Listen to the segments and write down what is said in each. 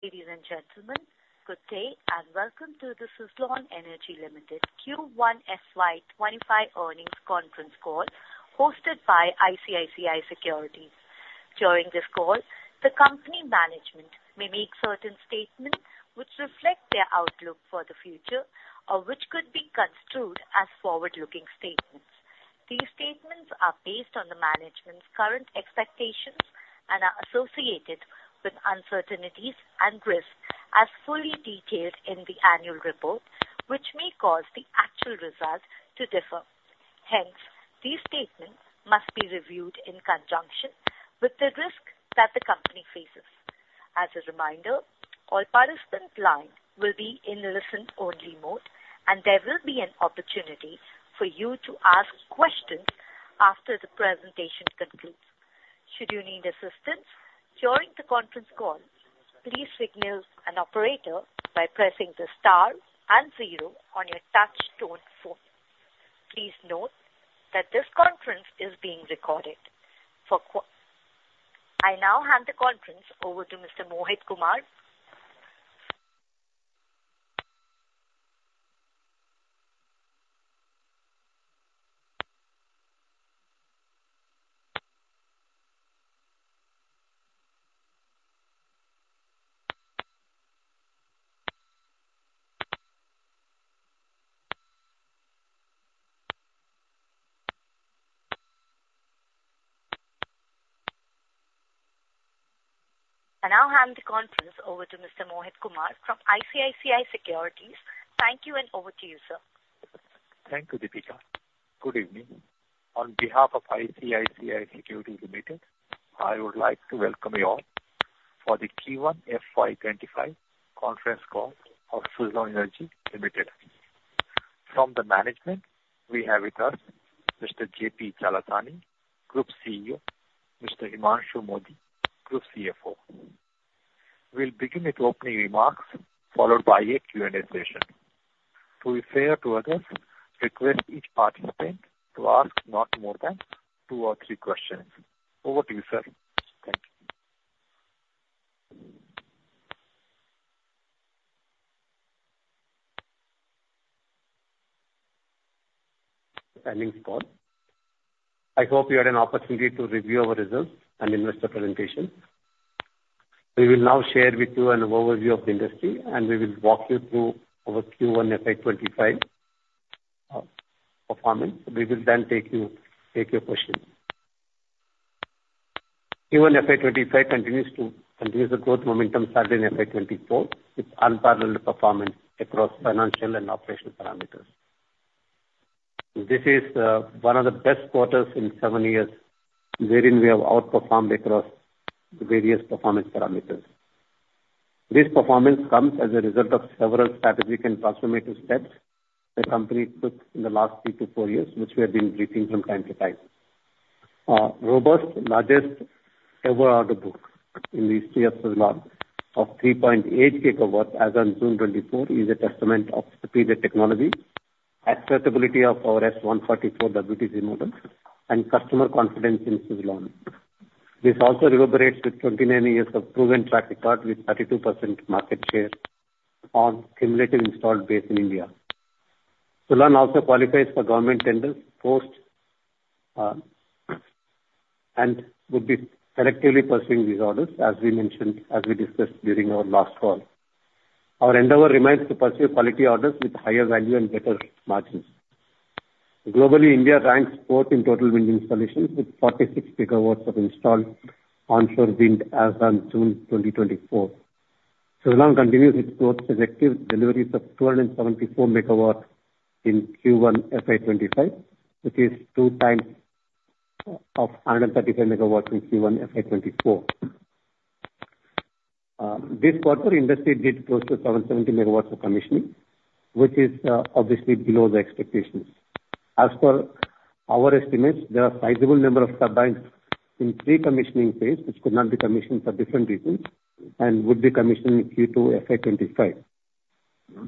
...Ladies and gentlemen, good day, and welcome to the Suzlon Energy Limited Q1 FY 2025 earnings conference call, hosted by ICICI Securities. During this call, the company management may make certain statements which reflect their outlook for the future or which could be construed as forward-looking statements. These statements are based on the management's current expectations and are associated with uncertainties and risks, as fully detailed in the annual report, which may cause the actual results to differ. Hence, these statements must be reviewed in conjunction with the risks that the company faces. As a reminder, all participants will be in listen-only mode, and there will be an opportunity for you to ask questions after the presentation concludes. Should you need assistance during the conference call, please signal an operator by pressing the star and zero on your touch tone phone. Please note that this conference is being recorded. I now hand the conference over to Mr. Mohit Kumar. I now hand the conference over to Mr. Mohit Kumar from ICICI Securities. Thank you, and over to you, sir. Thank you, Deepika. Good evening. On behalf of ICICI Securities Limited, I would like to welcome you all for the Q1 FY 2025 conference call of Suzlon Energy Limited. From the management, we have with us Mr. JP Chalasani, Group CEO, Mr. Himanshu Mody, Group CFO. We'll begin with opening remarks followed by a Q&A session. To be fair to others, request each participant to ask not more than two or three questions. Over to you, sir. Thank you. Thanks for... I hope you had an opportunity to review our results and investor presentation. We will now share with you an overview of the industry, and we will walk you through our Q1 FY 2025 performance. We will then take your questions. Q1 FY2025 continues to increase the growth momentum started in FY 2024, with unparalleled performance across financial and operational parameters. This is one of the best quarters in 7 years, wherein we have outperformed across the various performance parameters. This performance comes as a result of several strategic and transformative steps the company took in the last 3 to 4 years, which we have been briefing from time to time. Robust, largest ever order book in the history of Suzlon, of 3.8 GW as on June 2024, is a testament of superior technology, accessibility of our S144 WTG model, and customer confidence in Suzlon. This also reverberates with 29 years of proven track record, with 32% market share on cumulative installed base in India. Suzlon also qualifies for government tenders post, and would be selectively pursuing these orders, as we mentioned, as we discussed during our last call. Our endeavor remains to pursue quality orders with higher value and better margins. Globally, India ranks fourth in total wind installations, with 46 GW of installed onshore wind as on June 2024. Suzlon continues its growth with deliveries of 274 MW in Q1 FY 2025, which is two times of 135 MW in Q1 FY 2024. This quarter, industry did close to 770 MW of commissioning, which is, obviously below the expectations. As per our estimates, there are a sizable number of turbines in pre-commissioning phase, which could not be commissioned for different reasons, and would be commissioned in Q2 FY 2025.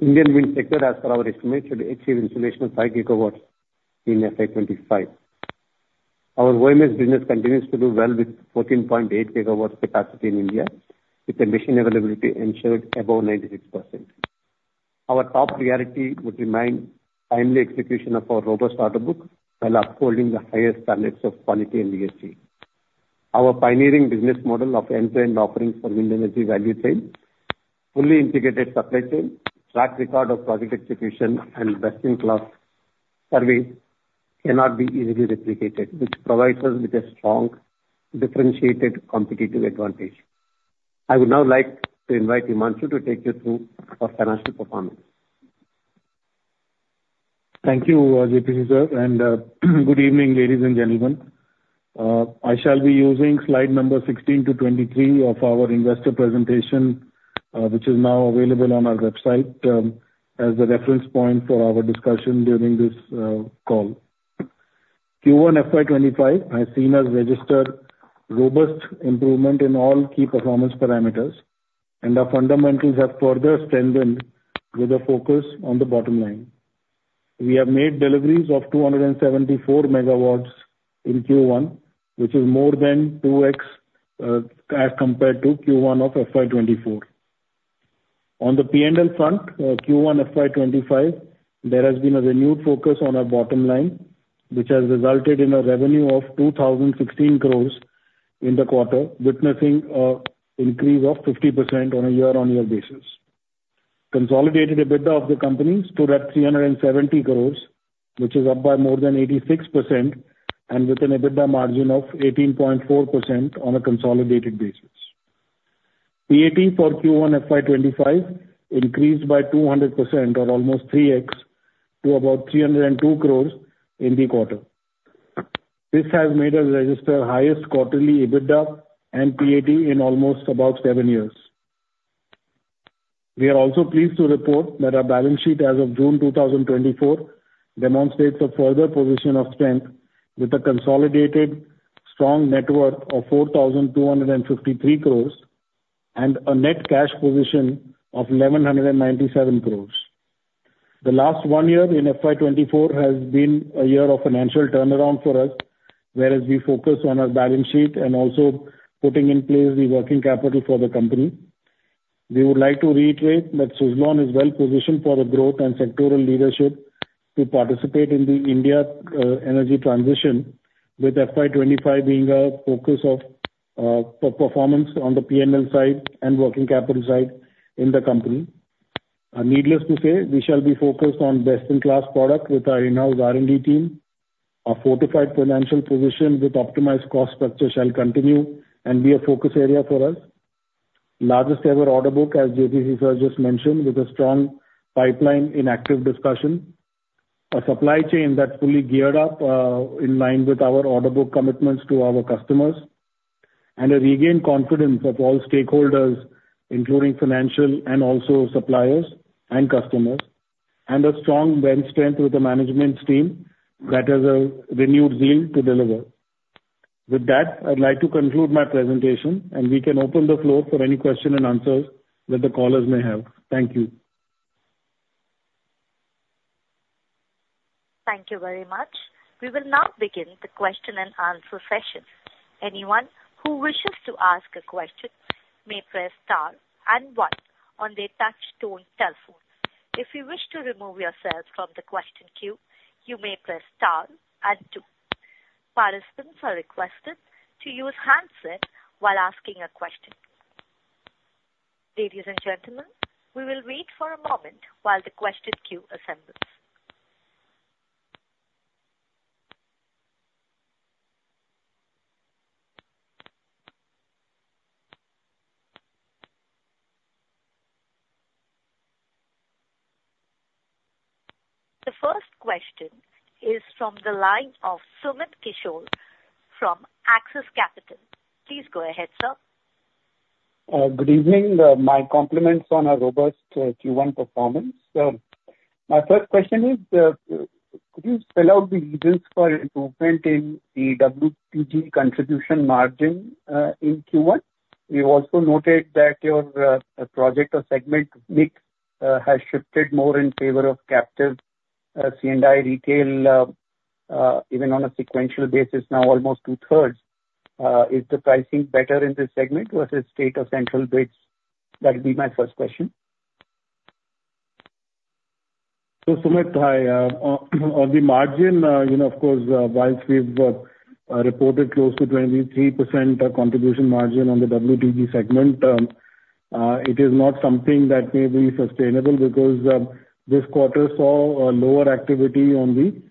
Indian wind sector, as per our estimates, should achieve installation of 5 GW in FY 2025. Our OMS business continues to do well with 14.8 GW capacity in India, with the machine availability ensured above 96%. Our top priority would remain timely execution of our robust order book, while upholding the highest standards of quality and ESG. Our pioneering business model of end-to-end offerings for wind energy value chain, fully integrated supply chain, track record of project execution, and best-in-class service cannot be easily replicated, which provides us with a strong, differentiated competitive advantage. I would now like to invite Himanshu to take you through our financial performance. Thank you, J.P. sir, and good evening, ladies and gentlemen. I shall be using slide number 16 to 23 of our investor presentation, which is now available on our website, as a reference point for our discussion during this call. Q1 FY 2025 has seen us register robust improvement in all key performance parameters, and our fundamentals have further strengthened with a focus on the bottom line. ... We have made deliveries of 274 MW in Q1, which is more than 2x as compared to Q1 of FY 2024. On the PNL front, Q1 FY 2025, there has been a renewed focus on our bottom line, which has resulted in a revenue of 2,016 crore in the quarter, witnessing an increase of 50% on a year-on-year basis. Consolidated EBITDA of the company stood at 370 crore, which is up by more than 86% and with an EBITDA margin of 18.4% on a consolidated basis. PAT for Q1 FY 2025 increased by 200% or almost 3x to about 302 crore in the quarter. This has made us register highest quarterly EBITDA and PAT in almost about seven years. We are also pleased to report that our balance sheet as of June 2024 demonstrates a further position of strength with a consolidated strong net worth of 4,253 crore and a net cash position of 1,197 crore. The last one year in FY 2024 has been a year of financial turnaround for us, whereas we focus on our balance sheet and also putting in place the working capital for the company. We would like to reiterate that Suzlon is well positioned for the growth and sectoral leadership to participate in the Indian energy transition, with FY 2025 being a focus of performance on the PNL side and working capital side in the company. Needless to say, we shall be focused on best-in-class product with our in-house R&D team. Our fortified financial position with optimized cost structure shall continue and be a focus area for us. Largest ever order book, as J.P. sir just mentioned, with a strong pipeline in active discussion. A supply chain that's fully geared up, in line with our order book commitments to our customers, and a regained confidence of all stakeholders, including financial and also suppliers and customers, and a strong bench strength with the management team that has a renewed zeal to deliver. With that, I'd like to conclude my presentation, and we can open the floor for any question and answers that the callers may have. Thank you. Thank you very much. We will now begin the question and answer session. Anyone who wishes to ask a question may press star and one on their touch tone telephone. If you wish to remove yourself from the question queue, you may press star and two. Participants are requested to use handset while asking a question. Ladies and gentlemen, we will wait for a moment while the question queue assembles. The first question is from the line of Sumit Kishore from Axis Capital. Please go ahead, sir. Good evening. My compliments on a robust Q1 performance. My first question is, could you spell out the reasons for improvement in the WTG contribution margin in Q1? We also noted that your project or segment mix has shifted more in favor of captive C&I retail even on a sequential basis, now almost two-thirds. Is the pricing better in this segment versus state or central bids? That'd be my first question. So, Sumit, hi. On the margin, you know, of course, whilst we've reported close to 23% contribution margin on the WTG segment, it is not something that may be sustainable because this quarter saw a lower activity on the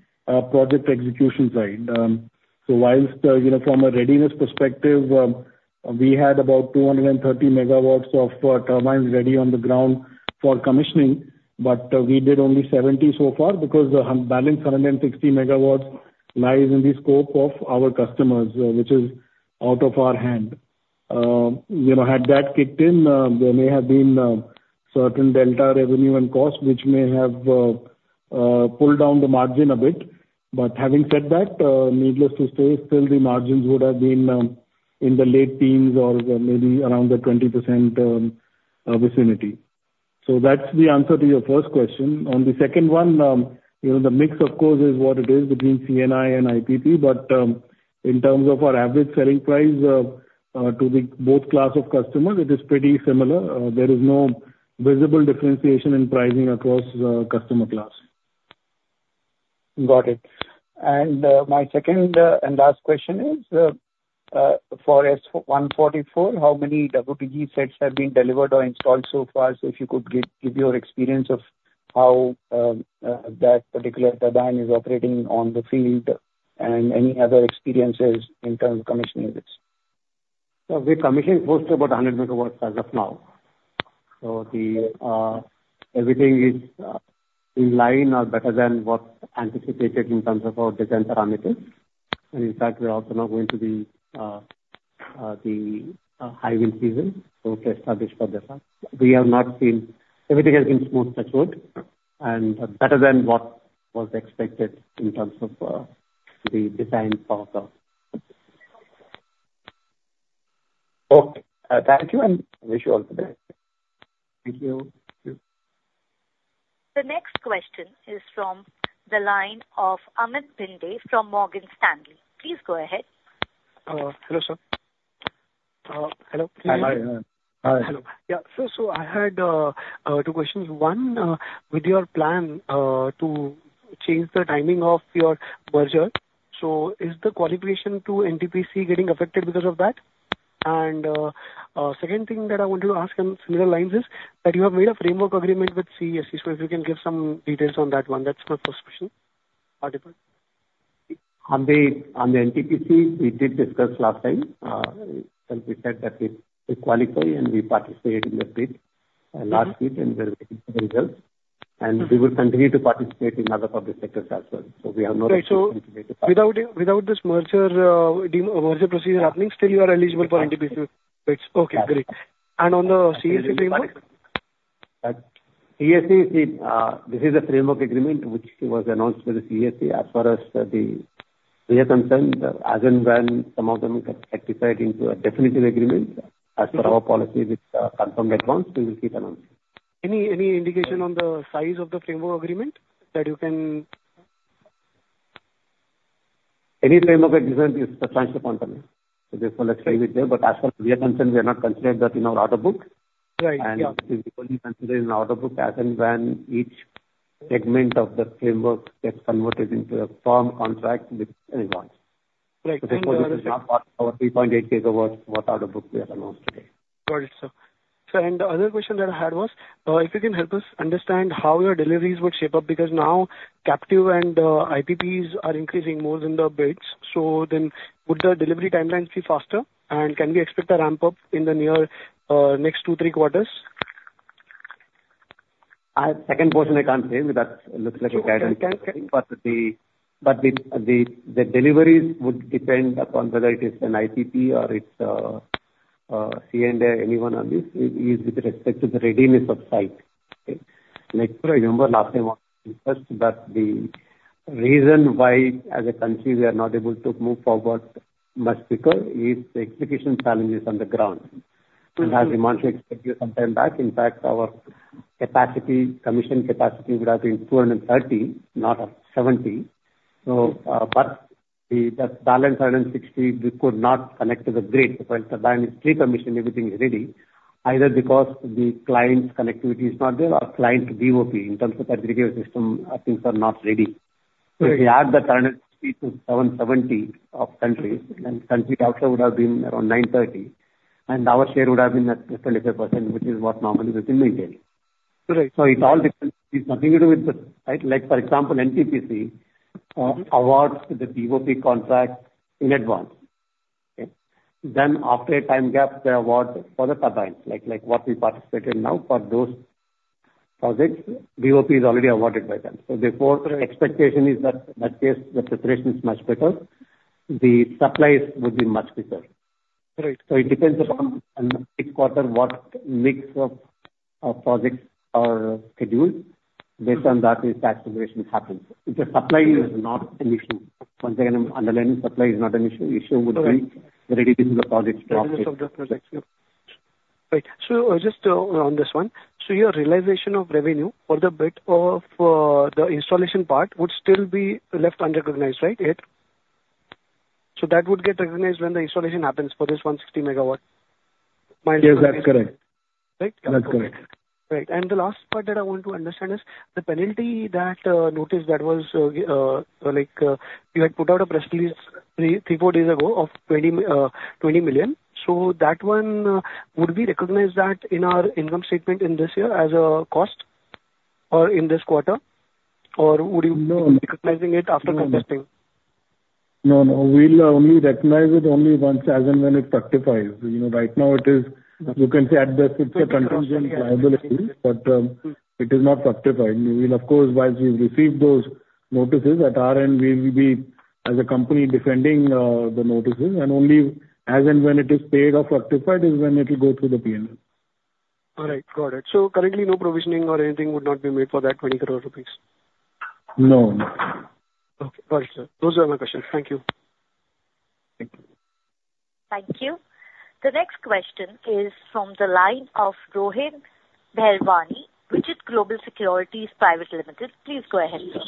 project execution side. So whilst, you know, from a readiness perspective, we had about 230 megawatts of turbines ready on the ground for commissioning, but we did only 70 so far because the balance, 160 MW, lies in the scope of our customers, which is out of our hand. You know, had that kicked in, there may have been certain delta revenue and cost, which may have pulled down the margin a bit. But having said that, needless to say, still the margins would have been in the late teens or maybe around the 20% vicinity. So that's the answer to your first question. On the second one, you know, the mix, of course, is what it is between C&I and IPP, but in terms of our average selling price to the both class of customers, it is pretty similar. There is no visible differentiation in pricing across the customer class. Got it. And, my second and last question is, for S144, how many WTG sets have been delivered or installed so far? So if you could give, give your experience of how that particular turbine is operating on the field and any other experiences in terms of commissioning. We commissioned close to about 100 MW as of now. So everything is in line or better than what's anticipated in terms of our design parameters. And in fact, we're also now going to the high wind season. So we're established for the fact. We have not seen... Everything has been smooth and good, and better than what was expected in terms of the design power though.... Okay, thank you, and wish you all the best. Thank you. Thank you. The next question is from the line of Amit Bhinde from Morgan Stanley. Please go ahead. Hello, sir. Hello? Hi. Hi. Hello. Yeah. So, I had two questions. One, with your plan to change the timing of your merger, so is the qualification to NTPC getting affected because of that? And, second thing that I want to ask on similar lines is, that you have made a framework agreement with CESC, so if you can give some details on that one, that's my first question. Or different? On the NTPC, we did discuss last time. And we said that we qualify, and we participate in the bid, a large bid, and we're waiting for the results. And we will continue to participate in other public sectors as well. So we have no- Right. So without this merger, de-merger procedure happening, still you are eligible for NTPC? Yes. Okay, great. And on the CESC framework? CESC is the. This is a framework agreement which was announced by the CESC. As far as, as and when some of them get rectified into a definitive agreement, as per our policy, with confirmed advance, we will keep announcing. Any indication on the size of the framework agreement that you can? Any framework agreement is specific to company. So therefore, let's leave it there. But as far as we are concerned, we are not considering that in our order book. Right. Yeah. It will be considered in our order book as and when each segment of the framework gets converted into a firm contract with anyone. Right. Therefore, it is not part of our 3.8 GW what order book we have announced today. Got it, sir. The other question that I had was, if you can help us understand how your deliveries would shape up, because now captive and IPPs are increasing more than the bids. So then would the delivery timelines be faster? And can we expect a ramp-up in the near, next two, three quarters? Second question, I can't say, but that looks like a pattern. Sure. But the deliveries would depend upon whether it is an IPP or it's C&I, and on this is with respect to the readiness of site. Like, so you remember last time also we discussed, but the reason why as a country we are not able to move forward much quicker is the execution challenges on the ground. Mm-hmm. And as we mentioned to you some time back, in fact, our capacity, commission capacity would have been 230, not, 70. So, but the, that balance 160, we could not connect to the grid. When the line is pre-commissioned, everything is ready, either because the client's connectivity is not there or client BOP, in terms of that regular system, things are not ready. Right. If we add the current feature 770 of country, then country also would have been around 930, and our share would have been at 58%, which is what normally we maintain. Right. So it all depends. It's nothing to do with the... Right? Like, for example, NTPC awards the BOP contract in advance. Okay? Then after a time gap, they award for the turbines, like, what we participated now, for those projects, BOP is already awarded by them. So therefore, the expectation is that in that case, the preparation is much better. The supplies would be much quicker. Right. So it depends upon each quarter, what mix of projects are scheduled. Based on that, the tax situation happens. The supply is not an issue. Once again, I'm underlining, supply is not an issue, issue with the readiness of the projects. Readiness of the projects. Right. So just, on this one: So your realization of revenue for the bit of, the installation part would still be left unrecognized, right? So that would get recognized when the installation happens for this 160 MW? Yes, that's correct. Right? That's correct. Right. And the last part that I want to understand is the penalty that I noticed that was like you had put out a press release 3-4 days ago of 20 million. So that one, would we recognize that in our income statement in this year as a cost, or in this quarter? Or would you- No. be recognizing it after contesting? No, no. We'll only recognize it only once, as in when it rectifies. You know, right now it is, you can say, at the, it's a contingent liability, but it is not rectified. We'll, of course, once we receive those notices, at our end, we will be, as a company, defending the notices, and only as and when it is paid or rectified, is when it will go through the P&L. All right. Got it. So currently, no provisioning or anything would not be made for that 20 crore rupees? No, no. Okay. Got it, sir. Those are my questions. Thank you. Thank you. Thank you. The next question is from the line of Rohit Bahirwani, Vijit Global Securities Private Limited. Please go ahead, sir.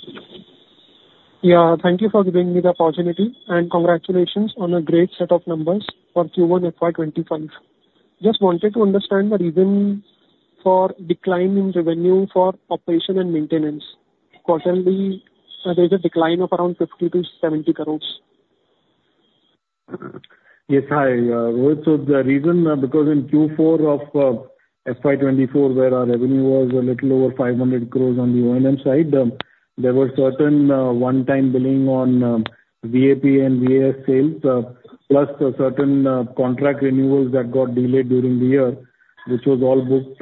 Yeah, thank you for giving me the opportunity, and congratulations on a great set of numbers for Q1 FY 2025. Just wanted to understand the reason for decline in revenue for operation and maintenance. Quarterly, there's a decline of around 50-70 crores. Yes. Hi, Rohit. So the reason, because in Q4 of FY 2024, where our revenue was a little over 500 crore on the O&M side, there were certain one-time billing on VAP and VAS sales, plus certain contract renewals that got delayed during the year, which was all booked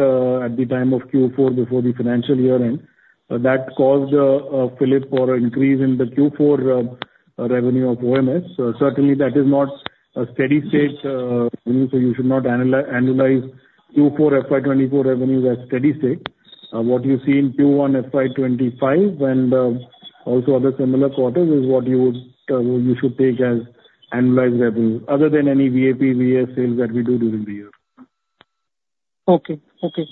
at the time of Q4 before the financial year end. That caused a fillip for an increase in the Q4 revenue of O&M. Certainly, that is not a steady state, so you should not analyze Q4 FY 2024 revenue as steady state. What you see in Q1 FY 2025 and also other similar quarters is what you should take as analyzed revenue, other than any VAP, VAS sales that we do during the year. Okay. Okay.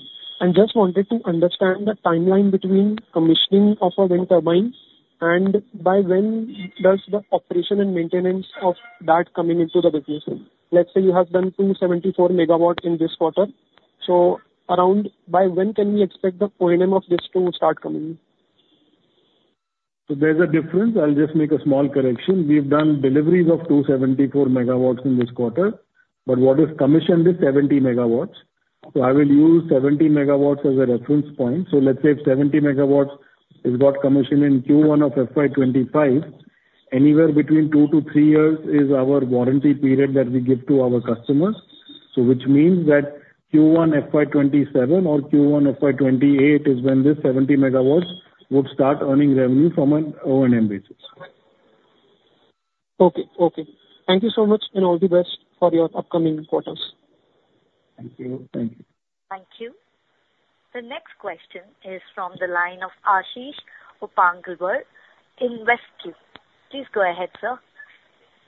Just wanted to understand the timeline between commissioning of a wind turbine and by when does the operation and maintenance of that coming into the picture? Let's say you have done 274 MW in this quarter, so around by when can we expect the revenue of this to start coming in? So there's a difference. I'll just make a small correction. We've done deliveries of 274 MW in this quarter, but what is commissioned is 70 MW. So I will use 70 MW as a reference point. So let's say 70 MW has got commissioned in Q1 of FY 2025. Anywhere between 2-3 years is our warranty period that we give to our customers. So which means that Q1 FY 2027 or Q1 FY 2028 is when this 70 MW would start earning revenue from an O&M basis. Okay. Okay. Thank you so much, and all the best for your upcoming quarters. Thank you. Thank you. Thank you. The next question is from the line of Aashish Upganlawar, InvesQ. Please go ahead, sir.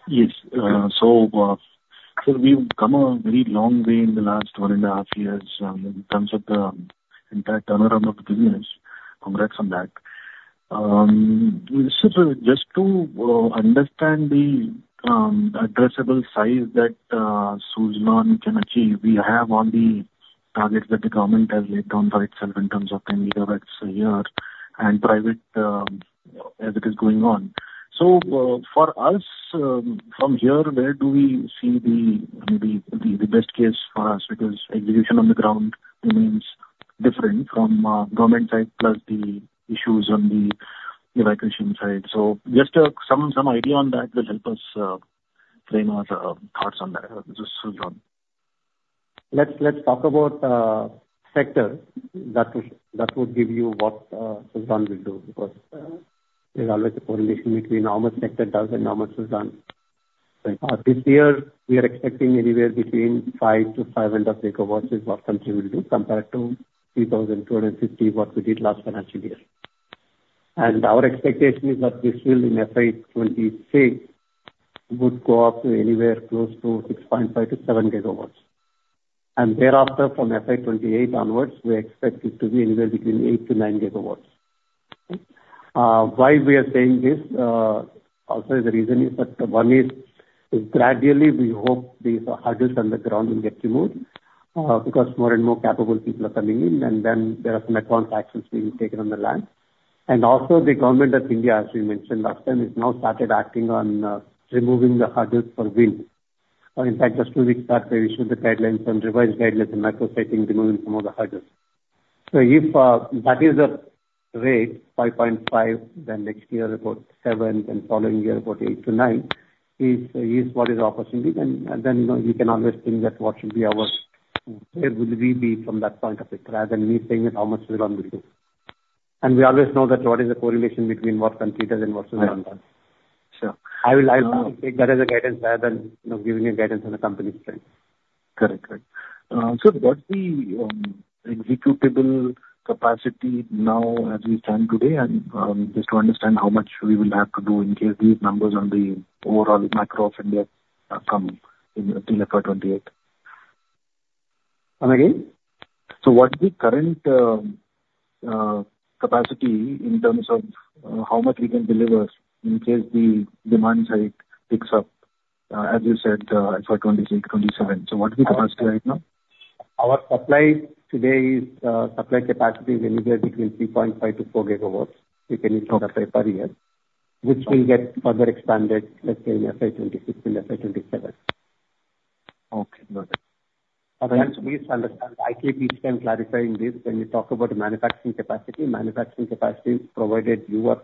Yes. So we've come a very long way in the last 1.5 years, in terms of the entire turnaround of the business. Congrats on that. So just to understand the addressable size that Suzlon can achieve, we have on the target that the government has laid down for itself in terms of 10 GW a year and private, as it is going on. So, for us, from here, where do we see the best case for us? Because execution on the ground remains different from government side, plus the issues on the evacuation side. So just some idea on that will help us frame our thoughts on that, just Suzlon. Let's talk about sector that would give you what Suzlon will do, because there's always a correlation between how much sector does and how much Suzlon. Right. This year, we are expecting anywhere between 5-500 MW is what the country will do, compared to 3,250, what we did last financial year. Our expectation is that this year, in FY 2023, would go up to anywhere close to 6.5-7 GW. And thereafter, from FY 2028 onwards, we expect it to be anywhere between 8-9 GW. Why we are saying this? Also, the reason is that one is gradually we hope the hurdles on the ground will get removed, because more and more capable people are coming in, and then there are some actions being taken on the land. Also, the government of India, as we mentioned last time, has now started acting on removing the hurdles for wind. In fact, just two weeks back, they issued the guidelines and revised guidelines and micro-siting, removing some of the hurdles. So if that is the rate, 5.5, then next year about 7, then following year, about 8-9, is what is the opportunity. Then, you know, you can always think that what should be our... Where would we be from that point of view, rather than me saying that how much we are going to do. And we always know that what is the correlation between what country does and what Suzlon does. Sure. I would like to take that as a guidance rather than, you know, giving you guidance on a company plan. Correct. Correct. So what's the executable capacity now as we stand today? And just to understand how much we will have to do in case these numbers on the overall macro of India come in FY 2028. Come again? So what's the current capacity in terms of how much we can deliver in case the demand side picks up, as you said, FY 2026, 2027. So what is the capacity right now? Our supply today is supply capacity is anywhere between 3.5-4 GW. Okay. We can look at per year, which will get further expanded, let's say in FY 2026 and FY 2027. Okay, got it. Please understand, I keep on clarifying this. When you talk about manufacturing capacity, manufacturing capacity is provided you are,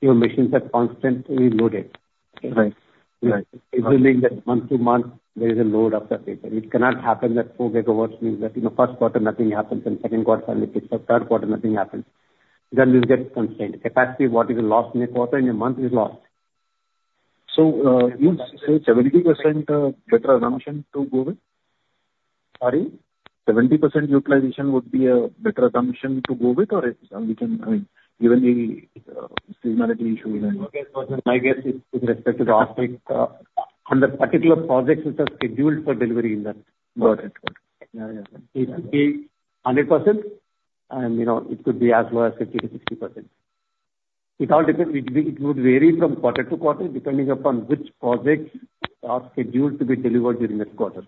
your machines are constantly loaded. Right. Right. Meaning that month to month, there is a load of the paper. It cannot happen that 4 GW means that, you know, first quarter, nothing happens, and second quarter little, third quarter, nothing happens. Then you'll get constrained. Capacity, what is lost in a quarter, in a month, is lost. So, you say 70%, better assumption to go with? Sorry? 70% utilization would be a better assumption to go with, or we can, I mean, given the, seasonality issue and- My guess is with respect to the offering, on the particular projects which are scheduled for delivery in the quarter. Yeah, yeah. It could be 100%, and, you know, it could be as low as 50%-60%. It all depends. It would vary from quarter to quarter, depending upon which projects are scheduled to be delivered during that quarter.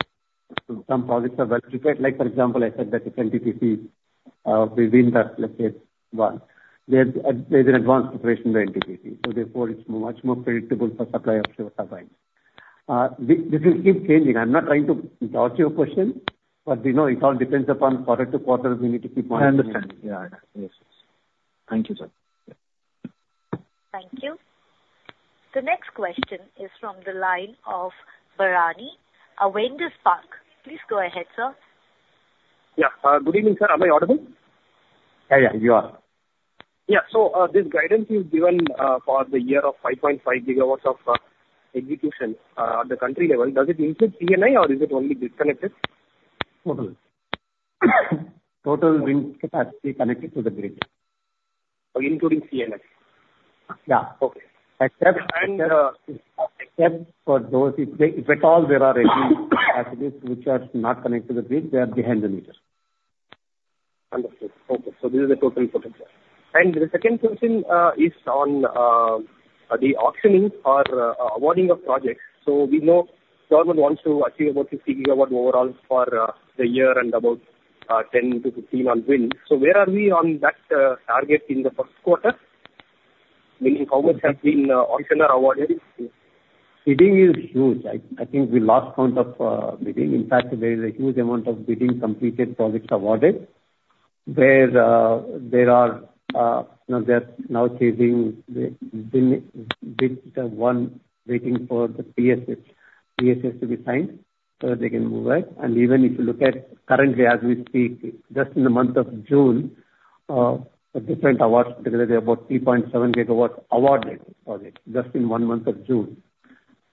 Some projects are well situated, like, for example, I said that if NTPC within the, let's say one, there's an advanced preparation by NTPC, so therefore it's much more predictable for supply of wind turbine. This will keep changing. I'm not trying to dodge your question, but you know, it all depends upon quarter to quarter. We need to keep- I understand. Yeah. Yeah. Yes. Thank you, sir. Thank you. The next question is from the line of Bharani, Avendus Spark. Please go ahead, sir. Yeah. Good evening, sir. Am I audible? Yeah. Yeah, you are. ... Yeah. So, this guidance is given for the year of 5.5 GW of execution at the country level. Does it include C&I or is it only discoms? Total wind capacity connected to the grid. Including CNI? Yeah. Okay. Except for those, if at all there are any which are not connected to the grid, they are behind the meters. Understood. Okay. So this is the total potential. And the second question is on the auctioning or awarding of projects. So we know government wants to achieve about 50 GW overall for the year and about 10-15 on wind. So where are we on that target in the first quarter? Meaning, how much has been auctioned or awarded? Bidding is huge. I think we lost count of bidding. In fact, there is a huge amount of bidding completed projects awarded, where you know, they're now changing the bid, the one waiting for the PSS to be signed, so that they can move out. And even if you look at currently as we speak, just in the month of June, the different awards, particularly about 3.7 GW awarded project, just in one month of June.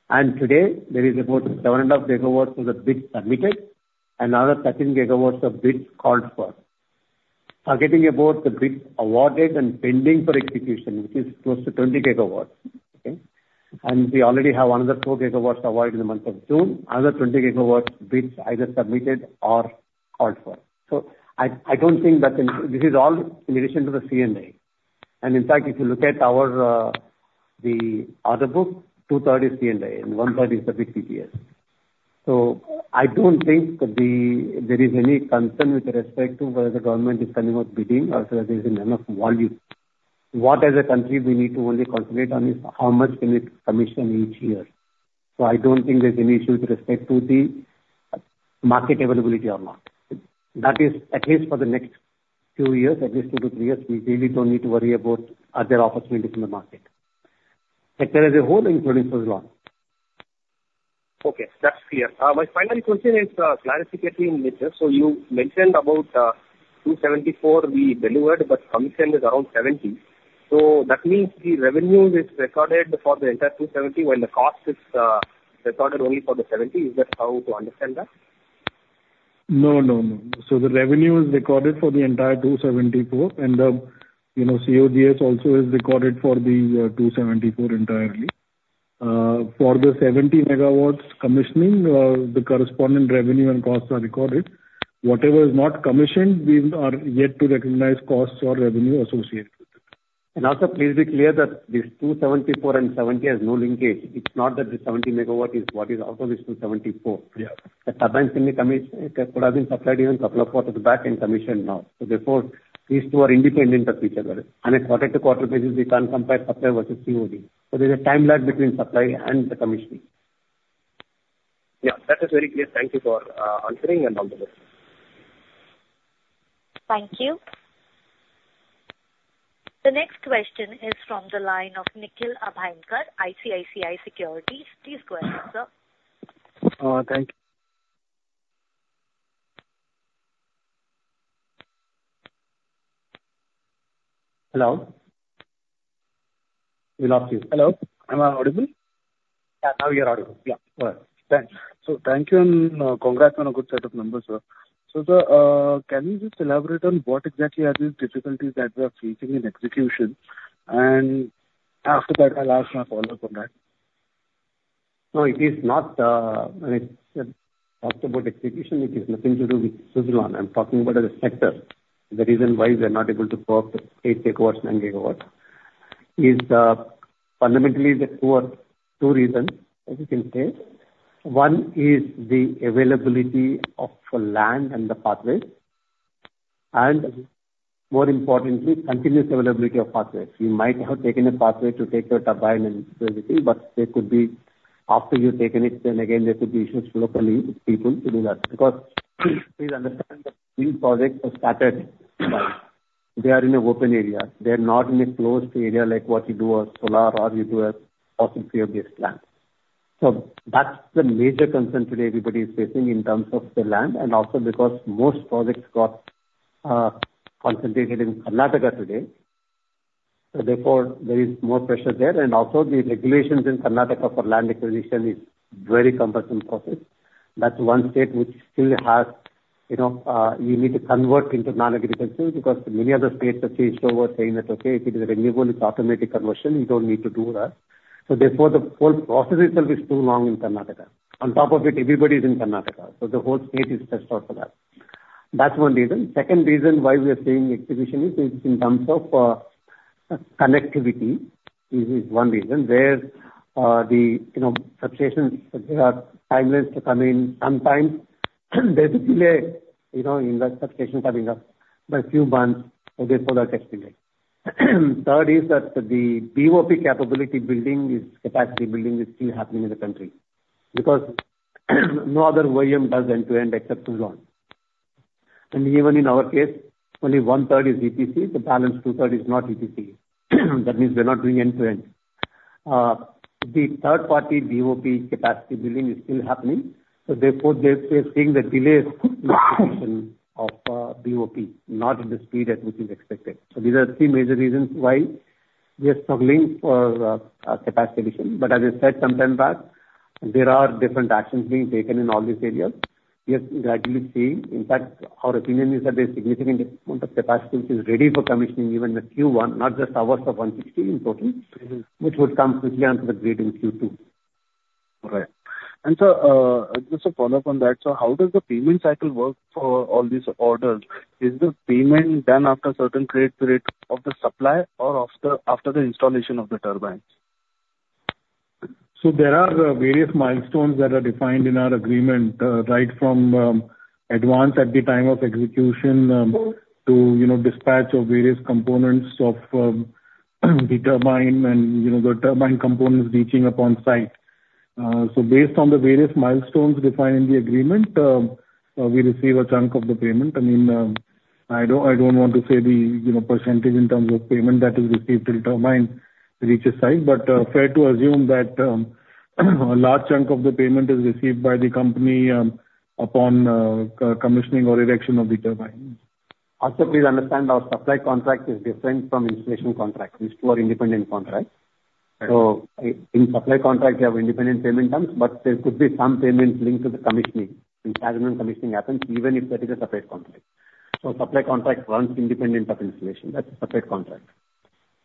And today there is about 7.5 GW of the bids submitted, another 13 GW of bids called for. Targeting about the bids awarded and pending for execution, which is close to 20 GW. Okay? And we already have another 4 GW awarded in the month of June, another 20 GW bids either submitted or called for. So I don't think that. This is all in addition to the C&I. And in fact, if you look at our, the order book, two-thirds is C&I, and one-third is the PPA. So I don't think that there is any concern with respect to whether the government is coming up bidding or whether there is enough volume. What as a country we need to only concentrate on is, how much can we commission each year? So I don't think there's any issue with respect to the market availability or not. That is, at least for the next two years, at least two to three years, we really don't need to worry about are there opportunities in the market. Okay, that's clear. My final question is clarifications in nature. So you mentioned about 274 we delivered, but commission is around 70. So that means the revenue is recorded for the entire 270, when the cost is recorded only for the 70. Is that how to understand that? No, no, no. So the revenue is recorded for the entire 274, and, you know, COGS also is recorded for the 274 entirely. For the 70 MW commissioning, the corresponding revenue and costs are recorded. Whatever is not commissioned, we are yet to recognize costs or revenue associated with it. And also, please be clear that this 274 and 70 has no linkage. It's not that the 70 MW is what is out of this 274. Yeah. The turbine could have been supplied even couple of quarters back and commissioned now. So therefore, these two are independent of each other, and a quarter-to-quarter basis, we can't compare supply versus COD. So there's a time lag between supply and the commissioning. Yeah, that is very clear. Thank you for answering and all the best. Thank you. The next question is from the line of Nikhil Abhyankar, ICICI Securities. Please go ahead, sir. Hello? Hello, am I audible? Yeah, now you are audible. Yeah, all right. Thanks. So thank you, and, congrats on a good set of numbers, sir. So sir, can you just elaborate on what exactly are the difficulties that we are facing in execution? And after that, I'll ask my follow-up on that. No, it is not, when we talked about execution, it is nothing to do with Suzlon. I'm talking about as a sector. The reason why we are not able to go up to 8 GW, 9 GW, is, fundamentally there are two reasons I think you can say. One is the availability of the land and the pathways, and more importantly, continuous availability of pathways. You might have taken a pathway to take your turbine and everything, but there could be, after you've taken it, then again, there could be issues locally with people to do that. Because please understand that these projects were started, like, they are in an open area. They are not in a closed area like what you do a solar or you do a possibly a based plant. So that's the major concern today everybody is facing in terms of the land, and also because most projects got concentrated in Karnataka today. So therefore, there is more pressure there, and also the regulations in Karnataka for land acquisition is very cumbersome process. That's one state which still has, you know, you need to convert into non-agricultural, because many other states have changed over saying that, "Okay, if it is renewable, it's automatic conversion, you don't need to do that." So therefore, the whole process itself is too long in Karnataka. On top of it, everybody is in Karnataka, so the whole state is stressed out for that. That's one reason. Second reason why we are saying execution is in terms of connectivity. This is one reason where the, you know, substations, there are timelines to come in. Sometimes there's a delay, you know, in the substation coming up by a few months, so therefore that gets delayed. Third is that the BOP capability building, capacity building is still happening in the country. Because no other OEM does end-to-end, except Suzlon. And even in our case, only one-third is EPC, the balance two-third is not EPC. That means we're not doing end-to-end. The third party BOP capacity building is still happening, so therefore they are seeing the delays in of BOP, not at the speed at which is expected. So these are three major reasons why we are struggling for capacity addition. But as I said some time back, there are different actions being taken in all these areas. We are gradually seeing. In fact, our opinion is that there's significant amount of capacity which is ready for commissioning, even in Q1, not just ours of 160 in total, which would come quickly onto the grid in Q2. All right. Just a follow-up on that: So how does the payment cycle work for all these orders? Is the payment done after a certain period of the supply or after the installation of the turbines? So there are various milestones that are defined in our agreement, right from advance at the time of execution, to, you know, dispatch of various components of the turbine and, you know, the turbine components reaching upon site. So based on the various milestones defined in the agreement, we receive a chunk of the payment. I mean, I don't, I don't want to say the, you know, percentage in terms of payment that is received till turbine reaches site, but fair to assume that a large chunk of the payment is received by the company, upon co-commissioning or erection of the turbine. Also, please understand our supply contract is different from installation contract. These two are independent contracts. Right. So in supply contract, we have independent payment terms, but there could be some payments linked to the commissioning, when commissioning happens, even if that is a supply contract. So supply contract runs independent of installation. That's a separate contract.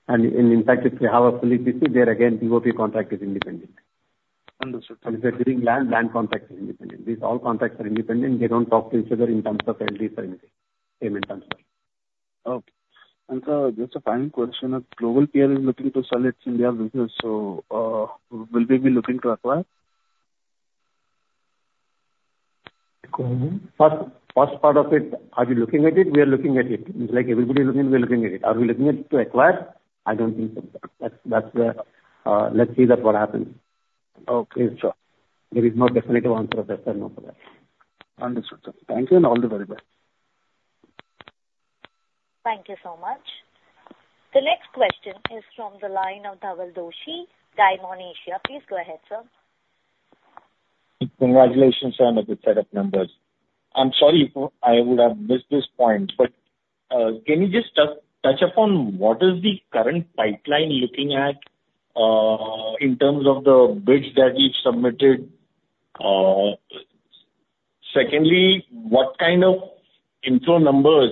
And in fact, if we have an EPC, there again, BOP contract is independent. Understood. If you're doing land, land contract is independent. These all contracts are independent. They don't talk to each other in terms of entries or anything, payment terms. Okay. And, just a final question. A global peer is looking to sell its India business, so, will we be looking to acquire? First, first part of it, are we looking at it? We are looking at it. Like everybody is looking, we are looking at it. Are we looking to acquire? I don't think so. That's, let's see what happens. Okay, sure. There is no definitive answer of yes or no for that. Understood, sir. Thank you, and all the very best. Thank you so much. The next question is from the line of Dhaval Doshi, Dymon Asia. Please go ahead, sir. Congratulations on a good set of numbers. I'm sorry if I would have missed this point, but can you just touch upon what is the current pipeline looking at in terms of the bids that you've submitted? Secondly, what kind of info numbers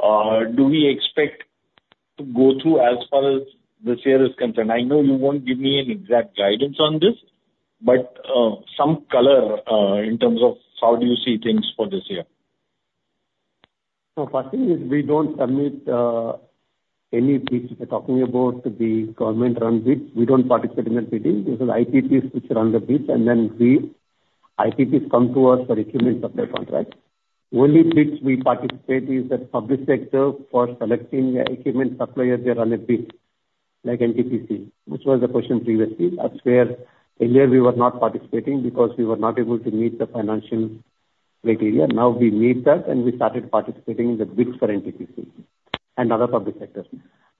do we expect to go through as far as this year is concerned? I know you won't give me an exact guidance on this, but some color in terms of how do you see things for this year? So first thing is we don't submit any bids. We're talking about the government-run bids. We don't participate in that bidding. There is IPPs which run the bids, and then we... IPPs come to us for equipment supply contract. Only bids we participate is the public sector for selecting the equipment suppliers, they run a bid, like NTPC, which was the question previously. That's where earlier we were not participating because we were not able to meet the financial criteria. Now, we meet that, and we started participating in the bids for NTPC and other public sectors.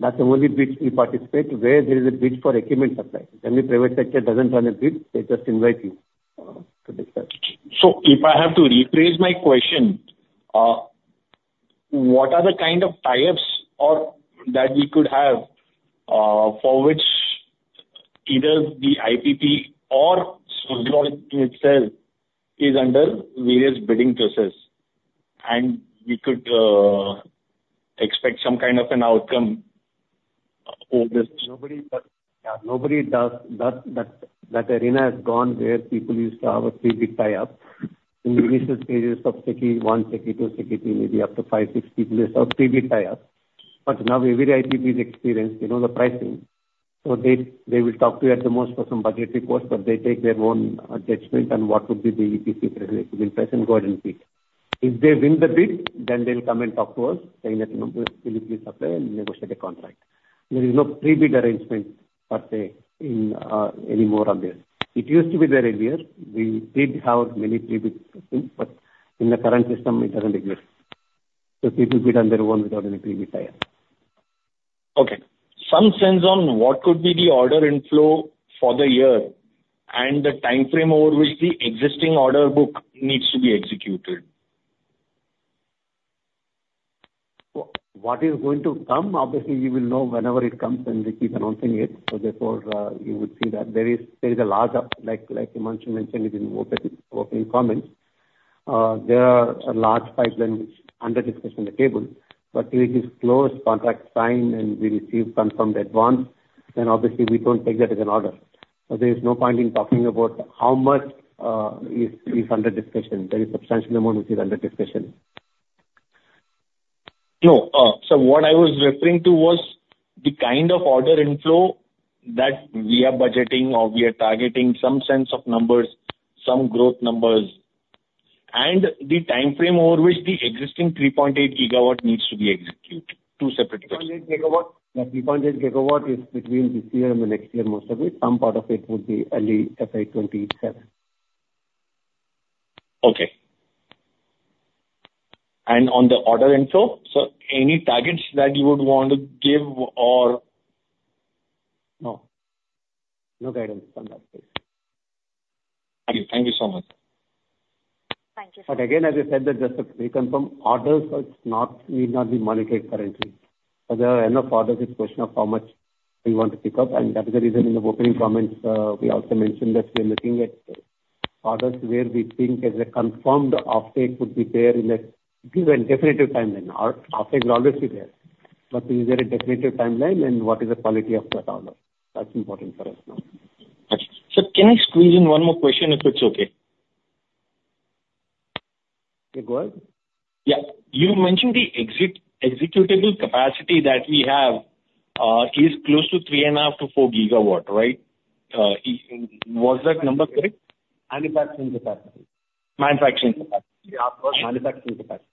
That's the only bid we participate, where there is a bid for equipment supply. Only private sector doesn't run a bid, they just invite you to discuss. So if I have to rephrase my question, what are the kind of tie-ups or that we could have, for which either the IPP or Suzlon itself is under various bidding process, and we could expect some kind of an outcome over this? Nobody does. Yeah, nobody does. That, that, that arena has gone where people used to have a pre-bid tie-up. In the initial stages of SECI 1, SECI 2, SECI 3, maybe up to five, six people used to have pre-bid tie-up. But now every IPP is experienced, they know the pricing, so they, they will talk to you at the most for some budgetary quotes, but they take their own judgment on what would be the EPC related bid price and go ahead and bid. If they win the bid, then they'll come and talk to us, saying that, "You know, can you please supply?" and negotiate a contract. There is no pre-bid arrangement per se in anymore out there. It used to be there earlier. We did have many pre-bid systems, but in the current system, it doesn't exist. People bid on their own without any pre-bid tie-up. Okay. Some sense on what could be the order inflow for the year and the timeframe over which the existing order book needs to be executed? What is going to come, obviously, you will know whenever it comes and we keep announcing it. So therefore, you would see that there is a large up, like Himanshu mentioned it in opening comments. There are a large pipeline which under discussion on the table, but till it is closed, contract signed, and we receive confirmed advance, then obviously we don't take that as an order. So there is no point in talking about how much is under discussion. There is substantial amount which is under discussion. No. So what I was referring to was the kind of order inflow that we are budgeting or we are targeting, some sense of numbers, some growth numbers, and the timeframe over which the existing 3.8 GW needs to be executed. Two separate questions. 3.8 GW? The 3.8 GW is between this year and the next year, most of it. Some part of it would be early FY 2027. And on the order info, so any targets that you would want to give or? No. No guidance on that, please. Thank you. Thank you so much. Thank you so much. But again, as I said, that just to reconfirm, orders are not, need not be monetized currently. Because there are enough orders, it's a question of how much we want to pick up, and that's the reason in the opening comments, we also mentioned that we are looking at orders where we think there's a confirmed offtake would be there in a given definitive timeline. Our offtake will always be there, but is there a definitive timeline, and what is the quality of that order? That's important for us now. Got you. Sir, can I squeeze in one more question, if it's okay? Yeah, go ahead. Yeah. You mentioned the executable capacity that we have is close to 3.5-4 GW, right? Was that number correct? Manufacturing capacity. Manufacturing capacity. Yeah, of course, manufacturing capacity.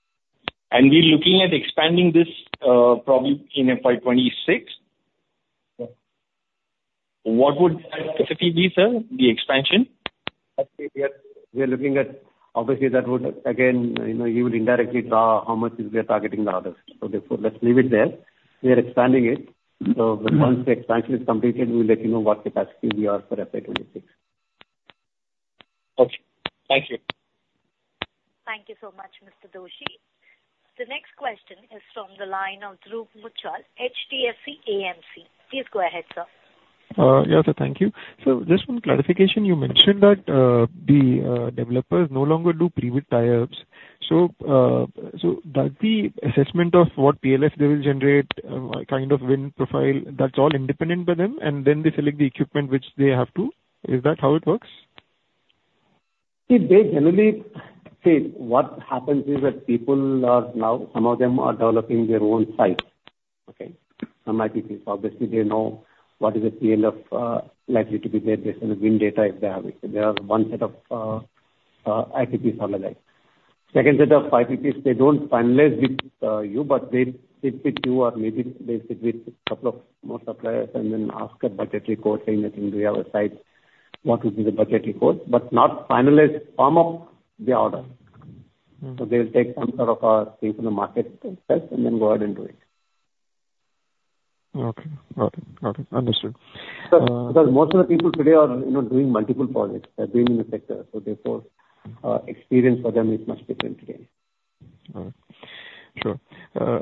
We're looking at expanding this, probably in FY 2026? Yes. What would capacity be, sir, the expansion? Actually, we are looking at... Obviously, that would, again, you know, you would indirectly draw how much is we are targeting the others. So therefore, let's leave it there. We are expanding it. Mm-hmm. Once the expansion is completed, we'll let you know what capacity we are for FY 2026. Okay. Thank you. Thank you so much, Mr. Doshi. The next question is from the line of Dhruv Muchhal, HDFC AMC. Please go ahead, sir. Yeah, sir, thank you. So just one clarification, you mentioned that the developers no longer do pre-bid tie-ups. So does the assessment of what PLF they will generate, what kind of wind profile, that's all independent by them, and then they select the equipment which they have to? Is that how it works? See, they generally. See, what happens is that people are now, some of them are developing their own sites, okay? Some IPPs. Obviously, they know what is the PLF likely to be there based on the wind data, if they have it. There are one set of IPPs are like that. Second set of IPPs, they don't finalize with you, but they sit with you or maybe they sit with a couple of more suppliers and then ask a budgetary quote, saying that, "We have a site, what would be the budgetary quote?" But not finalize firm up the order. Mm. They'll take some sort of a see from the market test, and then go ahead and do it. Okay. Got it. Got it. Understood. So because most of the people today are, you know, doing multiple projects, they're doing in the sector, so therefore, experience for them is much different today. All right. Sure.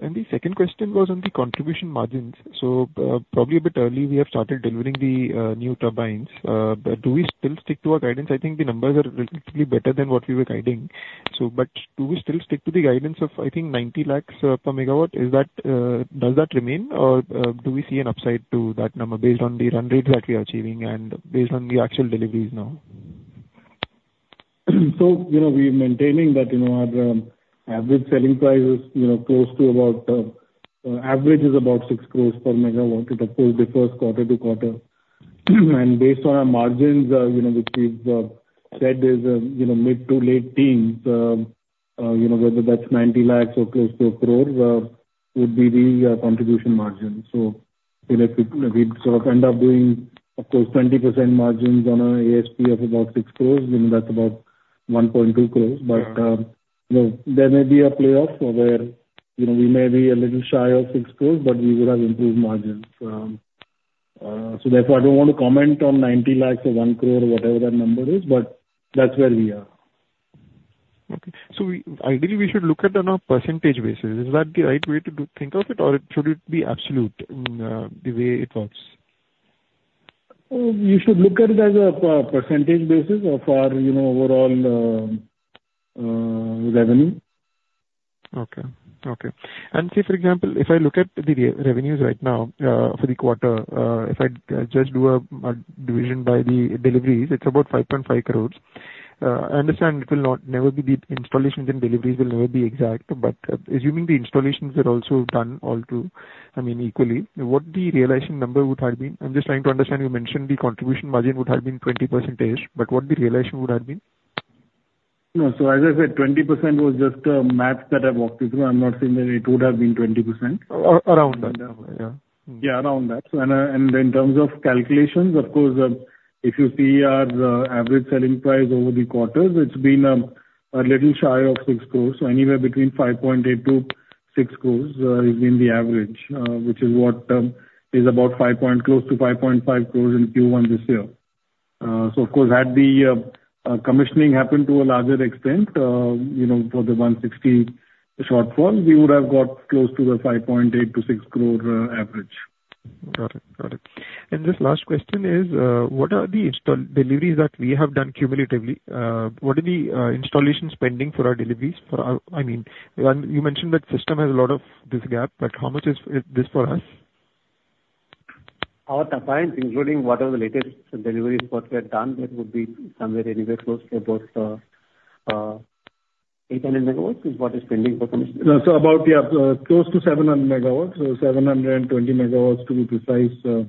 And the second question was on the contribution margins. So, probably a bit early, we have started delivering the new turbines, but do we still stick to our guidance? I think the numbers are relatively better than what we were guiding. So but do we still stick to the guidance of, I think, 90 lakhs per megawatt? Is that, does that remain or do we see an upside to that number based on the run rates that we are achieving and based on the actual deliveries now? So, you know, we're maintaining that, you know, our average selling price is, you know, close to about, average is about 6 crore per MW. It of course differs quarter to quarter. And based on our margins, you know, which we've said is, you know, mid to late teens, you know, whether that's 90 lakh or close to 1 crore, would be the contribution margin. So, you know, if we, we'd sort of end up doing, of course, 20% margins on a ASP of about 6 crore, then that's about 1.2 crore. Yeah. But, you know, there may be a payoff where, you know, we may be a little shy of 6 crore, but we would have improved margins. So therefore, I don't want to comment on 90 lakh or 1 crore, whatever that number is, but that's where we are. Okay. So we, ideally, we should look at on a percentage basis. Is that the right way to do, think of it, or should it be absolute in, the way it works? You should look at it as a percentage basis of our, you know, overall revenue. Okay. Okay. And say, for example, if I look at the revenues right now, for the quarter, if I just do a division by the deliveries, it's about 5.5 crores. I understand it will not never be the installations and deliveries will never be exact, but assuming the installations are also done all through, I mean, equally, what the realization number would have been? I'm just trying to understand. You mentioned the contribution margin would have been 20%, but what the realization would have been? No, so as I said, 20% was just math that I walked you through. I'm not saying that it would have been 20%. Around that. Around, yeah. Yeah. Yeah, around that. So, and in terms of calculations, of course, if you see our average selling price over the quarters, it's been a little shy of 6 crores. So anywhere between 5.8 crores-6 crores is in the average, which is what is about 5, close to 5.5 crores in Q1 this year. So of course, had the commissioning happened to a larger extent, you know, for the 160 short form, we would have got close to the 5.8 crores-6 crore average. Got it. Got it. And this last question is, what are the install deliveries that we have done cumulatively? What are the installation spending for our deliveries, for our... I mean, one, you mentioned that system has a lot of this gap, but how much is this for us? Our turbines, including whatever the latest deliveries, what we have done, that would be somewhere anywhere close to about 800 MW, is what is pending for commission. So about, yeah, close to 700 MW. So 720 MW, to be precise,